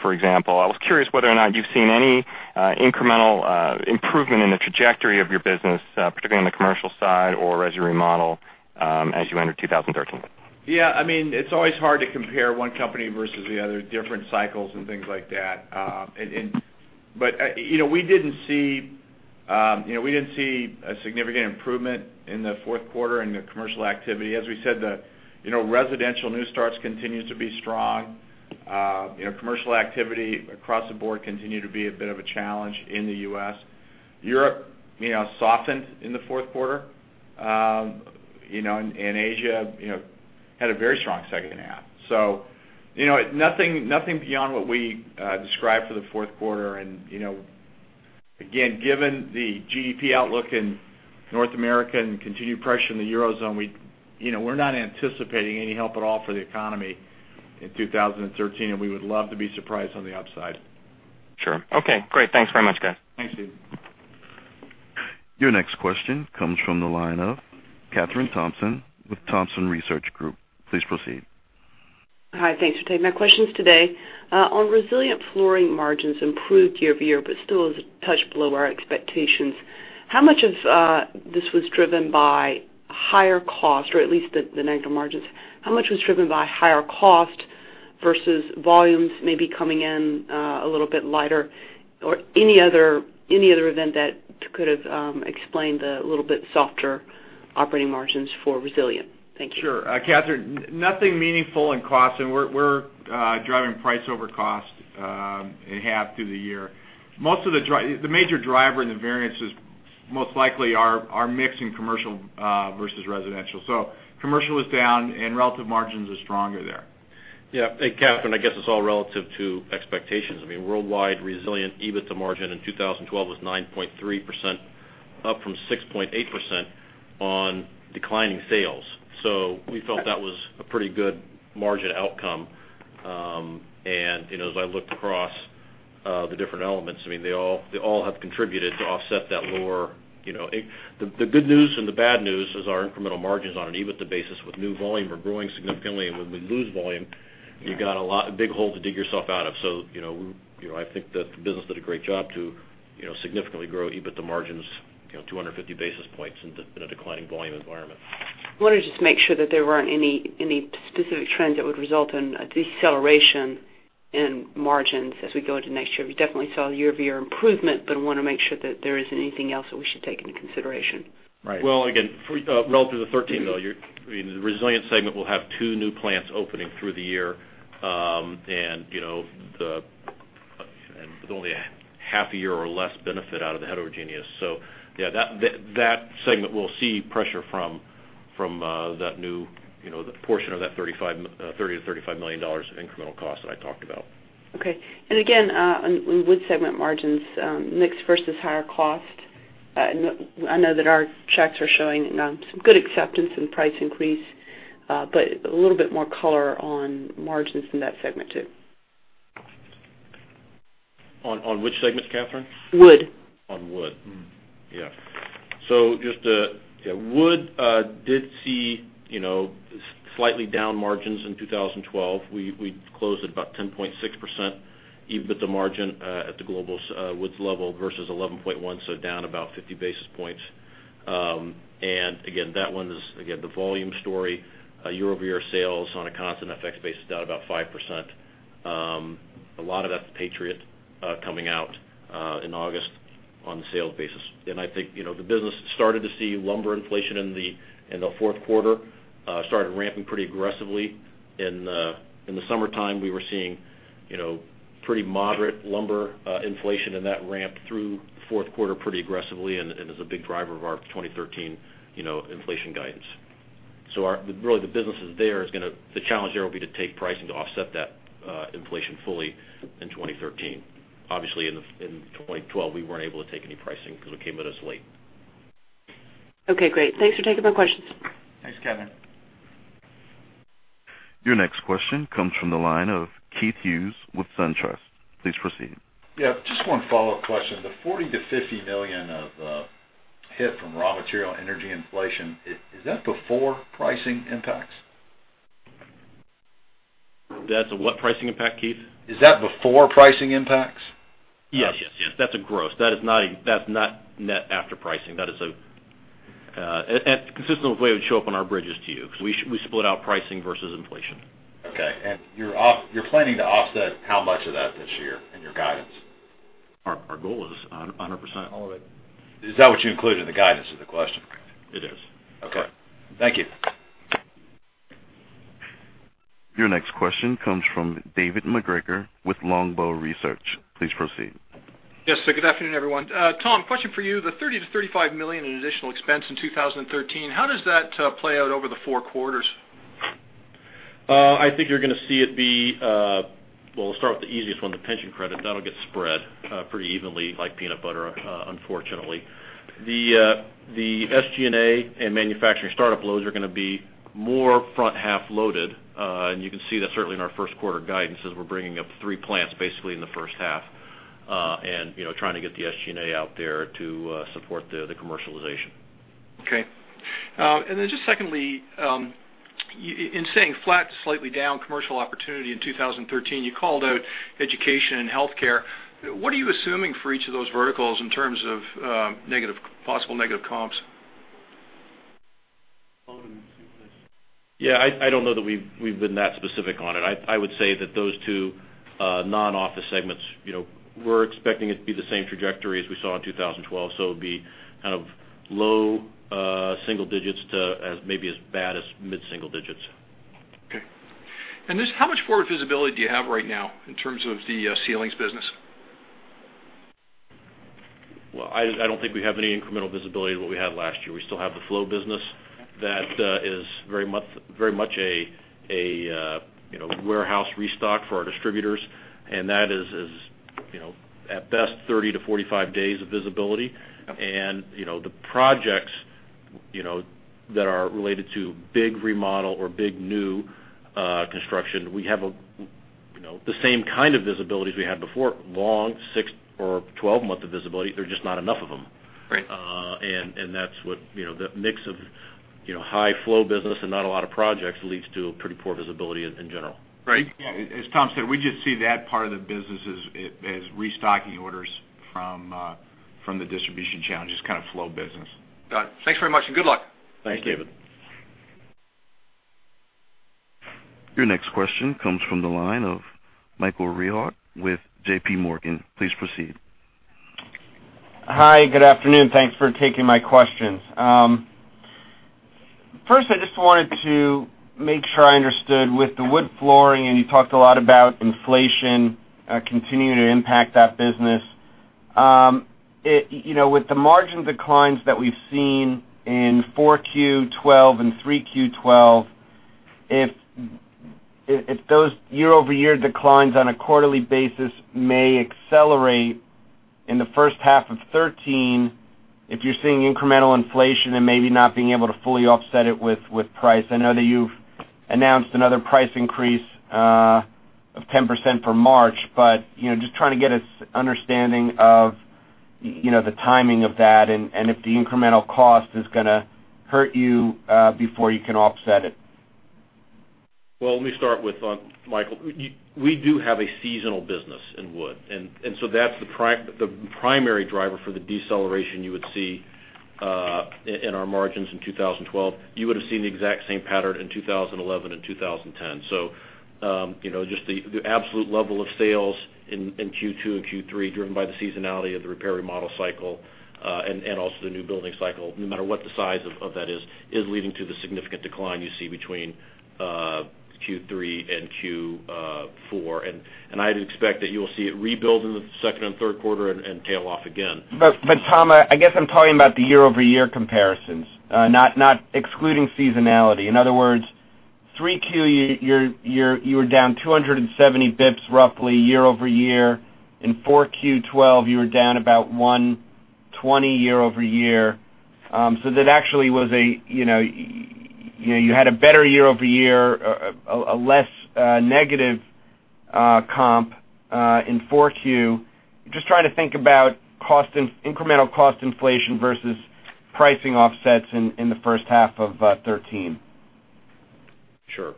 for example. I was curious whether or not you've seen any incremental improvement in the trajectory of your business, particularly on the commercial side or resi remodel, as you enter 2013. Yeah, it's always hard to compare one company versus the other, different cycles and things like that. We didn't see a significant improvement in the fourth quarter in the commercial activity. As we said, the residential new starts continue to be strong. Commercial activity across the board continue to be a bit of a challenge in the U.S. Europe softened in the fourth quarter. Asia had a very strong second half. Nothing beyond what we described for the fourth quarter. Again, given the GDP outlook in North America and continued pressure in the Eurozone, we're not anticipating any help at all for the economy in 2013, and we would love to be surprised on the upside. Sure. Okay, great. Thanks very much, guys. Thanks, Stephen. Your next question comes from the line of Kathryn Thompson with Thompson Research Group. Please proceed. Hi. Thanks for taking my questions today. On resilient flooring margins improved year-over-year, still is a touch below our expectations. How much of this was driven by higher cost, or at least the negative margins? How much was driven by higher cost versus volumes maybe coming in a little bit lighter? Any other event that could have explained the little bit softer operating margins for resilient? Thank you. Sure. Kathryn, nothing meaningful in costs, and we're driving price over cost, and have through the year. The major driver in the variance is most likely our mix in commercial versus residential. Commercial is down and relative margins are stronger there. Yeah. Kathryn, I guess it's all relative to expectations. Worldwide resilient EBITDA margin in 2012 was 9.3%, up from 6.8% on declining sales. We felt that was a pretty good margin outcome. As I looked across the different elements, they all have contributed to offset that lower. The good news and the bad news is our incremental margins on an EBITDA basis with new volume are growing significantly. When we lose volume, you got a big hole to dig yourself out of. I think that the business did a great job to significantly grow EBITDA margins 250 basis points in a declining volume environment. I wanted to just make sure that there weren't any specific trends that would result in a deceleration in margins as we go into next year. We definitely saw year-over-year improvement, but I want to make sure that there isn't anything else that we should take into consideration. Right. Well, again, relative to 2013, though, the resilient segment will have two new plants opening through the year. With only a half a year or less benefit out of the heterogeneous. Yeah, that segment will see pressure from the portion of that $30 million-$35 million of incremental cost that I talked about. Okay. Again, on wood segment margins, mix versus higher cost. I know that our checks are showing some good acceptance and price increase, a little bit more color on margins in that segment, too. On which segment, Kathryn? Wood. On wood. Yeah. Just wood did see slightly down margins in 2012. We closed at about 10.6% EBITDA margin at the global woods level versus 11.1, down about 50 basis points. Again, that one is the volume story. Year-over-year sales on a constant FX basis, down about 5%. A lot of that's Patriot coming out in August on the sales basis. I think, the business started to see lumber inflation in the fourth quarter, started ramping pretty aggressively. In the summertime, we were seeing pretty moderate lumber inflation, and that ramped through fourth quarter pretty aggressively and is a big driver of our 2013 inflation guidance. Really the businesses there, the challenge there will be to take pricing to offset that inflation fully in 2013. Obviously, in 2012, we weren't able to take any pricing because it came at us late. Okay, great. Thanks for taking my questions. Thanks, Kathryn. Your next question comes from the line of Keith Hughes with SunTrust. Please proceed. Yeah, just one follow-up question. The $40 million-$50 million of hit from raw material energy inflation, is that before pricing impacts? That's a what pricing impact, Keith? Is that before pricing impacts? Yes. That's a gross. That's not net after pricing. It's consistent with the way it would show up on our bridges to you, because we split out pricing versus inflation. Okay. You're planning to offset how much of that this year in your guidance? Our goal is 100%. All of it. Is that what you include in the guidance is the question. It is. Okay. Thank you. Your next question comes from David MacGregor with Longbow Research. Please proceed. Yes, sir. Good afternoon, everyone. Tom, question for you. The $30 million-$35 million in additional expense in 2013, how does that play out over the four quarters? I think you're going to see it be, well, I'll start with the easiest one, the pension credit. That'll get spread pretty evenly like peanut butter, unfortunately. The SG&A and manufacturing startup loads are going to be more front-half loaded. You can see that certainly in our first quarter guidance as we're bringing up three plants basically in the first half, and trying to get the SG&A out there to support the commercialization. Okay. Then just secondly, in saying flat to slightly down commercial opportunity in 2013, you called out education and healthcare. What are you assuming for each of those verticals in terms of possible negative comps? Yeah, I don't know that we've been that specific on it. I would say that those two non-office segments, we're expecting it to be the same trajectory as we saw in 2012. It'd be low single digits to maybe as bad as mid-single digits. Okay. Just how much forward visibility do you have right now in terms of the ceilings business? Well, I don't think we have any incremental visibility than what we had last year. We still have the flow business that is very much a warehouse restock for our distributors. That is at best 30-45 days of visibility. Okay. The projects that are related to big remodel or big new construction, we have the same kind of visibility as we had before, long 6 or 12 months of visibility. There are just not enough of them. Right. That mix of high flow business and not a lot of projects leads to pretty poor visibility in general. Right. As Tom said, we just see that part of the business as restocking orders from the distribution challenges, kind of flow business. Got it. Thanks very much and good luck. Thanks, David. Thank you. Your next question comes from the line of Michael Rehaut with J.P. Morgan. Please proceed. Hi, good afternoon. Thanks for taking my questions. First, I just wanted to make sure I understood with the wood flooring, and you talked a lot about inflation continuing to impact that business. With the margin declines that we've seen in 4Q 2012 and 3Q 2012, if those year-over-year declines on a quarterly basis may accelerate in the first half of 2013, if you're seeing incremental inflation and maybe not being able to fully offset it with price. I know that you've announced another price increase of 10% for March, but just trying to get an understanding of the timing of that and if the incremental cost is going to hurt you before you can offset it. Let me start with Michael. We do have a seasonal business in wood, that's the primary driver for the deceleration you would see in our margins in 2012. You would've seen the exact same pattern in 2011 and 2010. Just the absolute level of sales in Q2 and Q3, driven by the seasonality of the repair/remodel cycle, and also the new building cycle, no matter what the size of that is leading to the significant decline you see between Q3 and Q4. I'd expect that you will see it rebuild in the second and third quarter and tail off again. Tom, I guess I'm talking about the year-over-year comparisons, excluding seasonality. In other words, 3Q, you were down 270 bips roughly year-over-year. In 4Q 2012, you were down about 120 year-over-year. That actually was. You had a better year-over-year, a less negative comp in 4Q. Just trying to think about incremental cost inflation versus pricing offsets in the first half of 2013. Sure.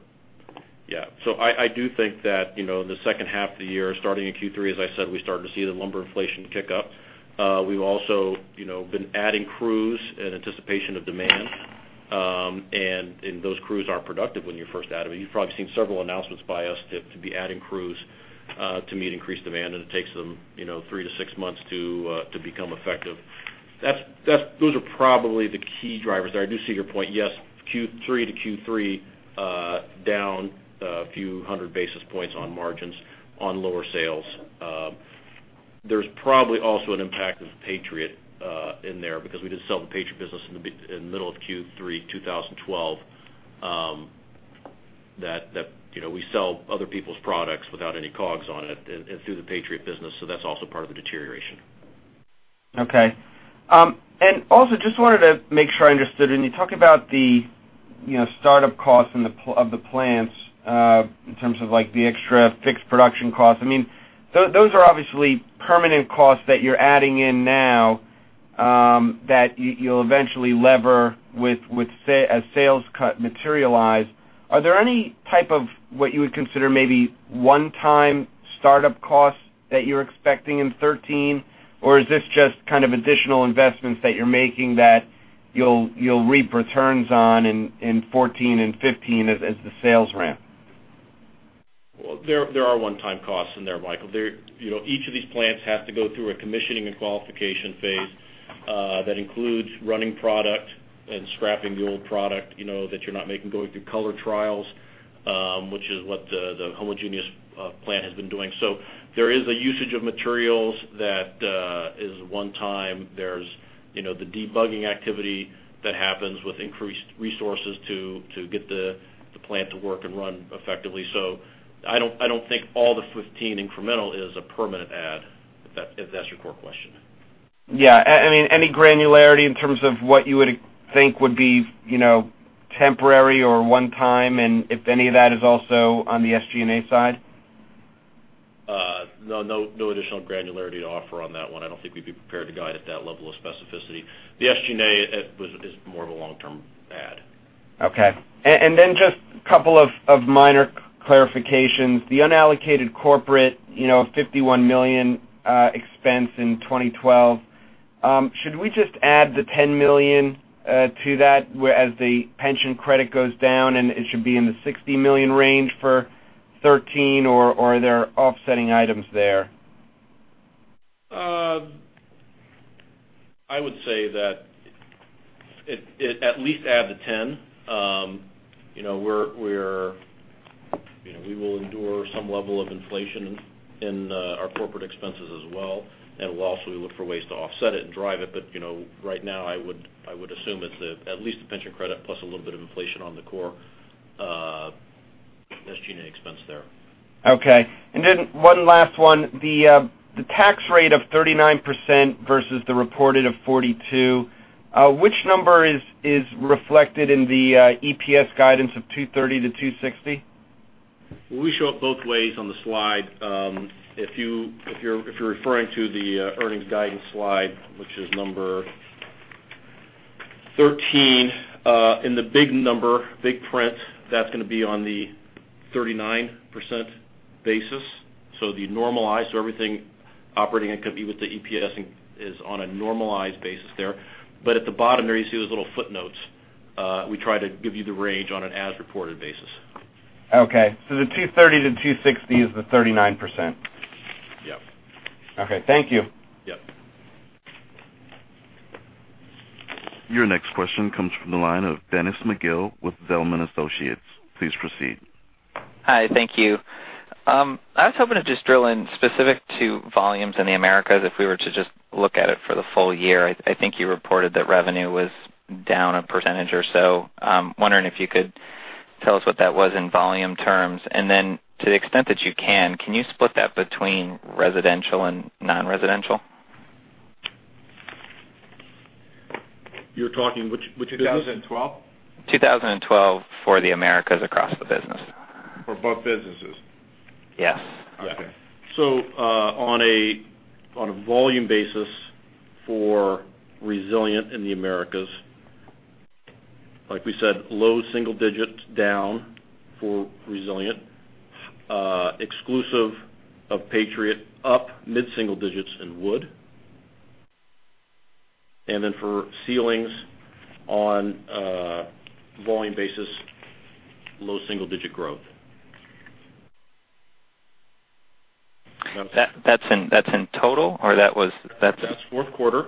Yeah. I do think that the second half of the year, starting in Q3, as I said, we started to see the lumber inflation kick up. We've also been adding crews in anticipation of demand. Those crews aren't productive when you first add them. You've probably seen several announcements by us to be adding crews to meet increased demand. It takes them 3 to 6 months to become effective. Those are probably the key drivers there. I do see your point. Yes, Q3 to Q3, down a few hundred basis points on margins on lower sales. There's probably also an impact of Patriot in there because we did sell the Patriot business in the middle of Q3 2012. That we sell other people's products without any COGS on it through the Patriot business. That's also part of the deterioration. Okay. Also, just wanted to make sure I understood. When you talk about the startup costs of the plants, in terms of the extra fixed production costs. Those are obviously permanent costs that you're adding in now, that you'll eventually lever as sales materialize. Are there any type of what you would consider maybe one-time startup costs that you're expecting in 2013? Is this just kind of additional investments that you're making that you'll reap returns on in 2014 and 2015 as the sales ramp? Well, there are one-time costs in there, Michael. Each of these plants has to go through a commissioning and qualification phase, that includes running product and scrapping the old product that you're not making. Going through color trials, which is what the homogeneous plant has been doing. There is a usage of materials that is one time. There's the debugging activity that happens with increased resources to get the plant to work and run effectively. I don't think all the $15 incremental is a permanent add, if that's your core question. Yeah. Any granularity in terms of what you would think would be temporary or one time, if any of that is also on the SG&A side? No additional granularity to offer on that one. I don't think we'd be prepared to guide at that level of specificity. The SG&A is more of a long-term add. Okay. Just a couple of minor clarifications. The unallocated corporate $51 million expense in 2012, should we just add the $10 million to that as the pension credit goes down, and it should be in the $60 million range for 2013, or are there offsetting items there? I would say that at least add the $10. We will endure some level of inflation in our corporate expenses as well, and we'll also look for ways to offset it and drive it. Right now I would assume it's at least the pension credit plus a little bit of inflation on the core SG&A expense there. Okay. One last one. The tax rate of 39% versus the reported of 42%, which number is reflected in the EPS guidance of $2.30-$2.60? We show it both ways on the slide. If you're referring to the earnings guidance slide, which is number 13. In the big number, big print, that's going to be on the 39% basis. The normalized, everything operating and could be with the EPS is on a normalized basis there. At the bottom there, you see those little footnotes. We try to give you the range on an as reported basis. Okay. The 230 to 260 is the 39%? Yep. Okay. Thank you. Yep. Your next question comes from the line of Dennis McGill with Zelman Associates. Please proceed. Hi. Thank you. I was hoping to just drill in specific to volumes in the Americas. If we were to just look at it for the full year, I think you reported that revenue was down a percentage or so. I'm wondering if you could tell us what that was in volume terms. To the extent that you can you split that between residential and non-residential? You're talking which business? 2012. 2012 for the Americas across the business. For both businesses? Yes. Okay. On a volume basis For resilient in the Americas, like we said, low single digits down for resilient, exclusive of Patriot, up mid-single digits in wood. For ceilings, on a volume basis, low single-digit growth. That's in total? That's fourth quarter.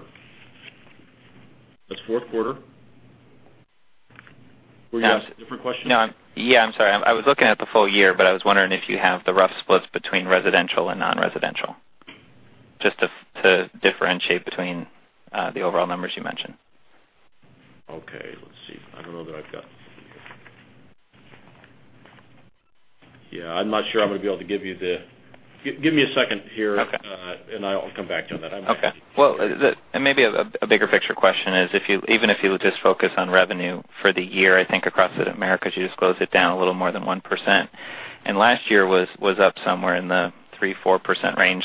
Were you asking a different question? No. I'm sorry. I was looking at the full year, I was wondering if you have the rough splits between residential and non-residential. Just to differentiate between the overall numbers you mentioned. Okay. Let's see. I don't know that I've got. I'm not sure I'm going to be able to give you. Give me a second here. Okay. I'll come back to that. Okay. Well, maybe a bigger picture question is, even if you just focus on revenue for the year, I think across the Americas, you just closed it down a little more than 1%. Last year was up somewhere in the 3%-4% range.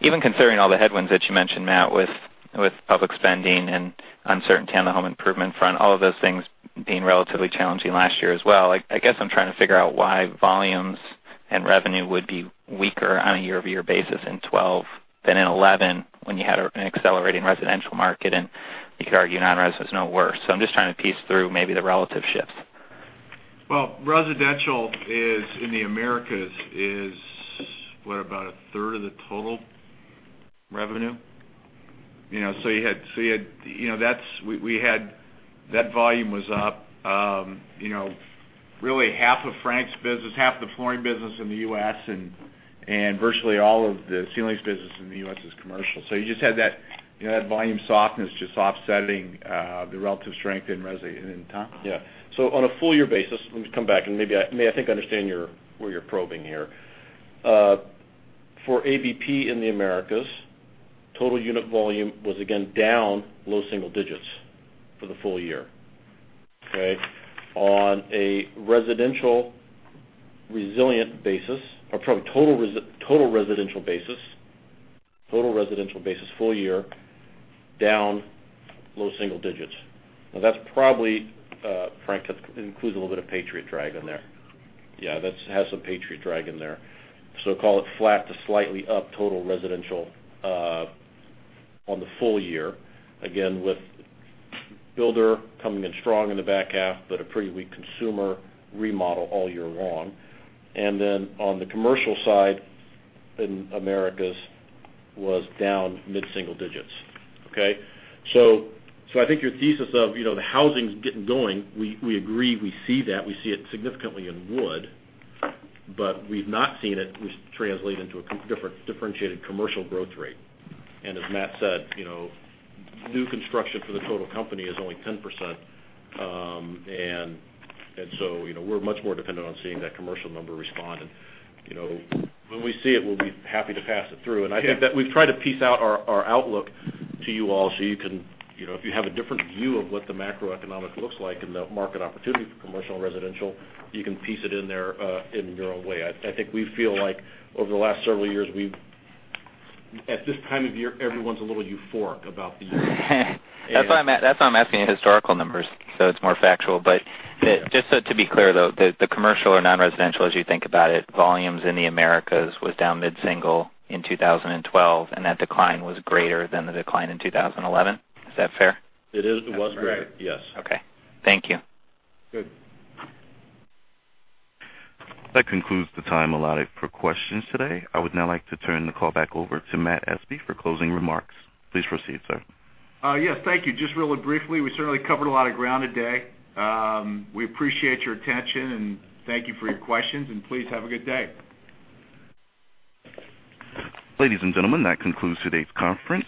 Even considering all the headwinds that you mentioned, Matt, with public spending and uncertainty on the home improvement front, all of those things being relatively challenging last year as well, I guess I'm trying to figure out why volumes and revenue would be weaker on a year-over-year basis in 2012 than in 2011, when you had an accelerating residential market, and you could argue non-res is no worse. I'm just trying to piece through maybe the relative shifts. Well, residential in the Americas is, what, about a third of the total revenue? That volume was up really half of Frank's business, half the flooring business in the U.S., and virtually all of the ceilings business in the U.S. is commercial. You just had that volume softness just offsetting the relative strength in res. You want to hit it, Tom? Yeah. On a full year basis, let me come back, and maybe I think I understand where you're probing here. For ABP in the Americas, total unit volume was again down low single digits for the full year. Okay. On a residential resilient basis, or probably total residential basis, full year, down low single digits. That's probably, Frank, includes a little bit of Patriot drag in there. Yeah, that has some Patriot drag in there. Call it flat to slightly up total residential on the full year. Again, with builder coming in strong in the back half, but a pretty weak consumer remodel all year long. On the commercial side in Americas was down mid-single digits. Okay? I think your thesis of the housing's getting going, we agree, we see that, we see it significantly in wood, but we've not seen it translate into a differentiated commercial growth rate. As Matt said, new construction for the total company is only 10%. We're much more dependent on seeing that commercial number respond, and when we see it, we'll be happy to pass it through. I think that we've tried to piece out our outlook to you all, so if you have a different view of what the macroeconomics looks like and the market opportunity for commercial and residential, you can piece it in there in your own way. I think we feel like over the last several years, at this time of year, everyone's a little euphoric about the year. That's why I'm asking you historical numbers, so it's more factual. Just so to be clear, though, the commercial or non-residential, as you think about it, volumes in the Americas was down mid-single in 2012, and that decline was greater than the decline in 2011. Is that fair? It is. It was greater. That's correct. Yes. Okay. Thank you. Good. That concludes the time allotted for questions today. I would now like to turn the call back over to Matthew Espe for closing remarks. Please proceed, sir. Yes. Thank you. Just really briefly, we certainly covered a lot of ground today. We appreciate your attention and thank you for your questions. Please have a good day. Ladies and gentlemen, that concludes today's conference.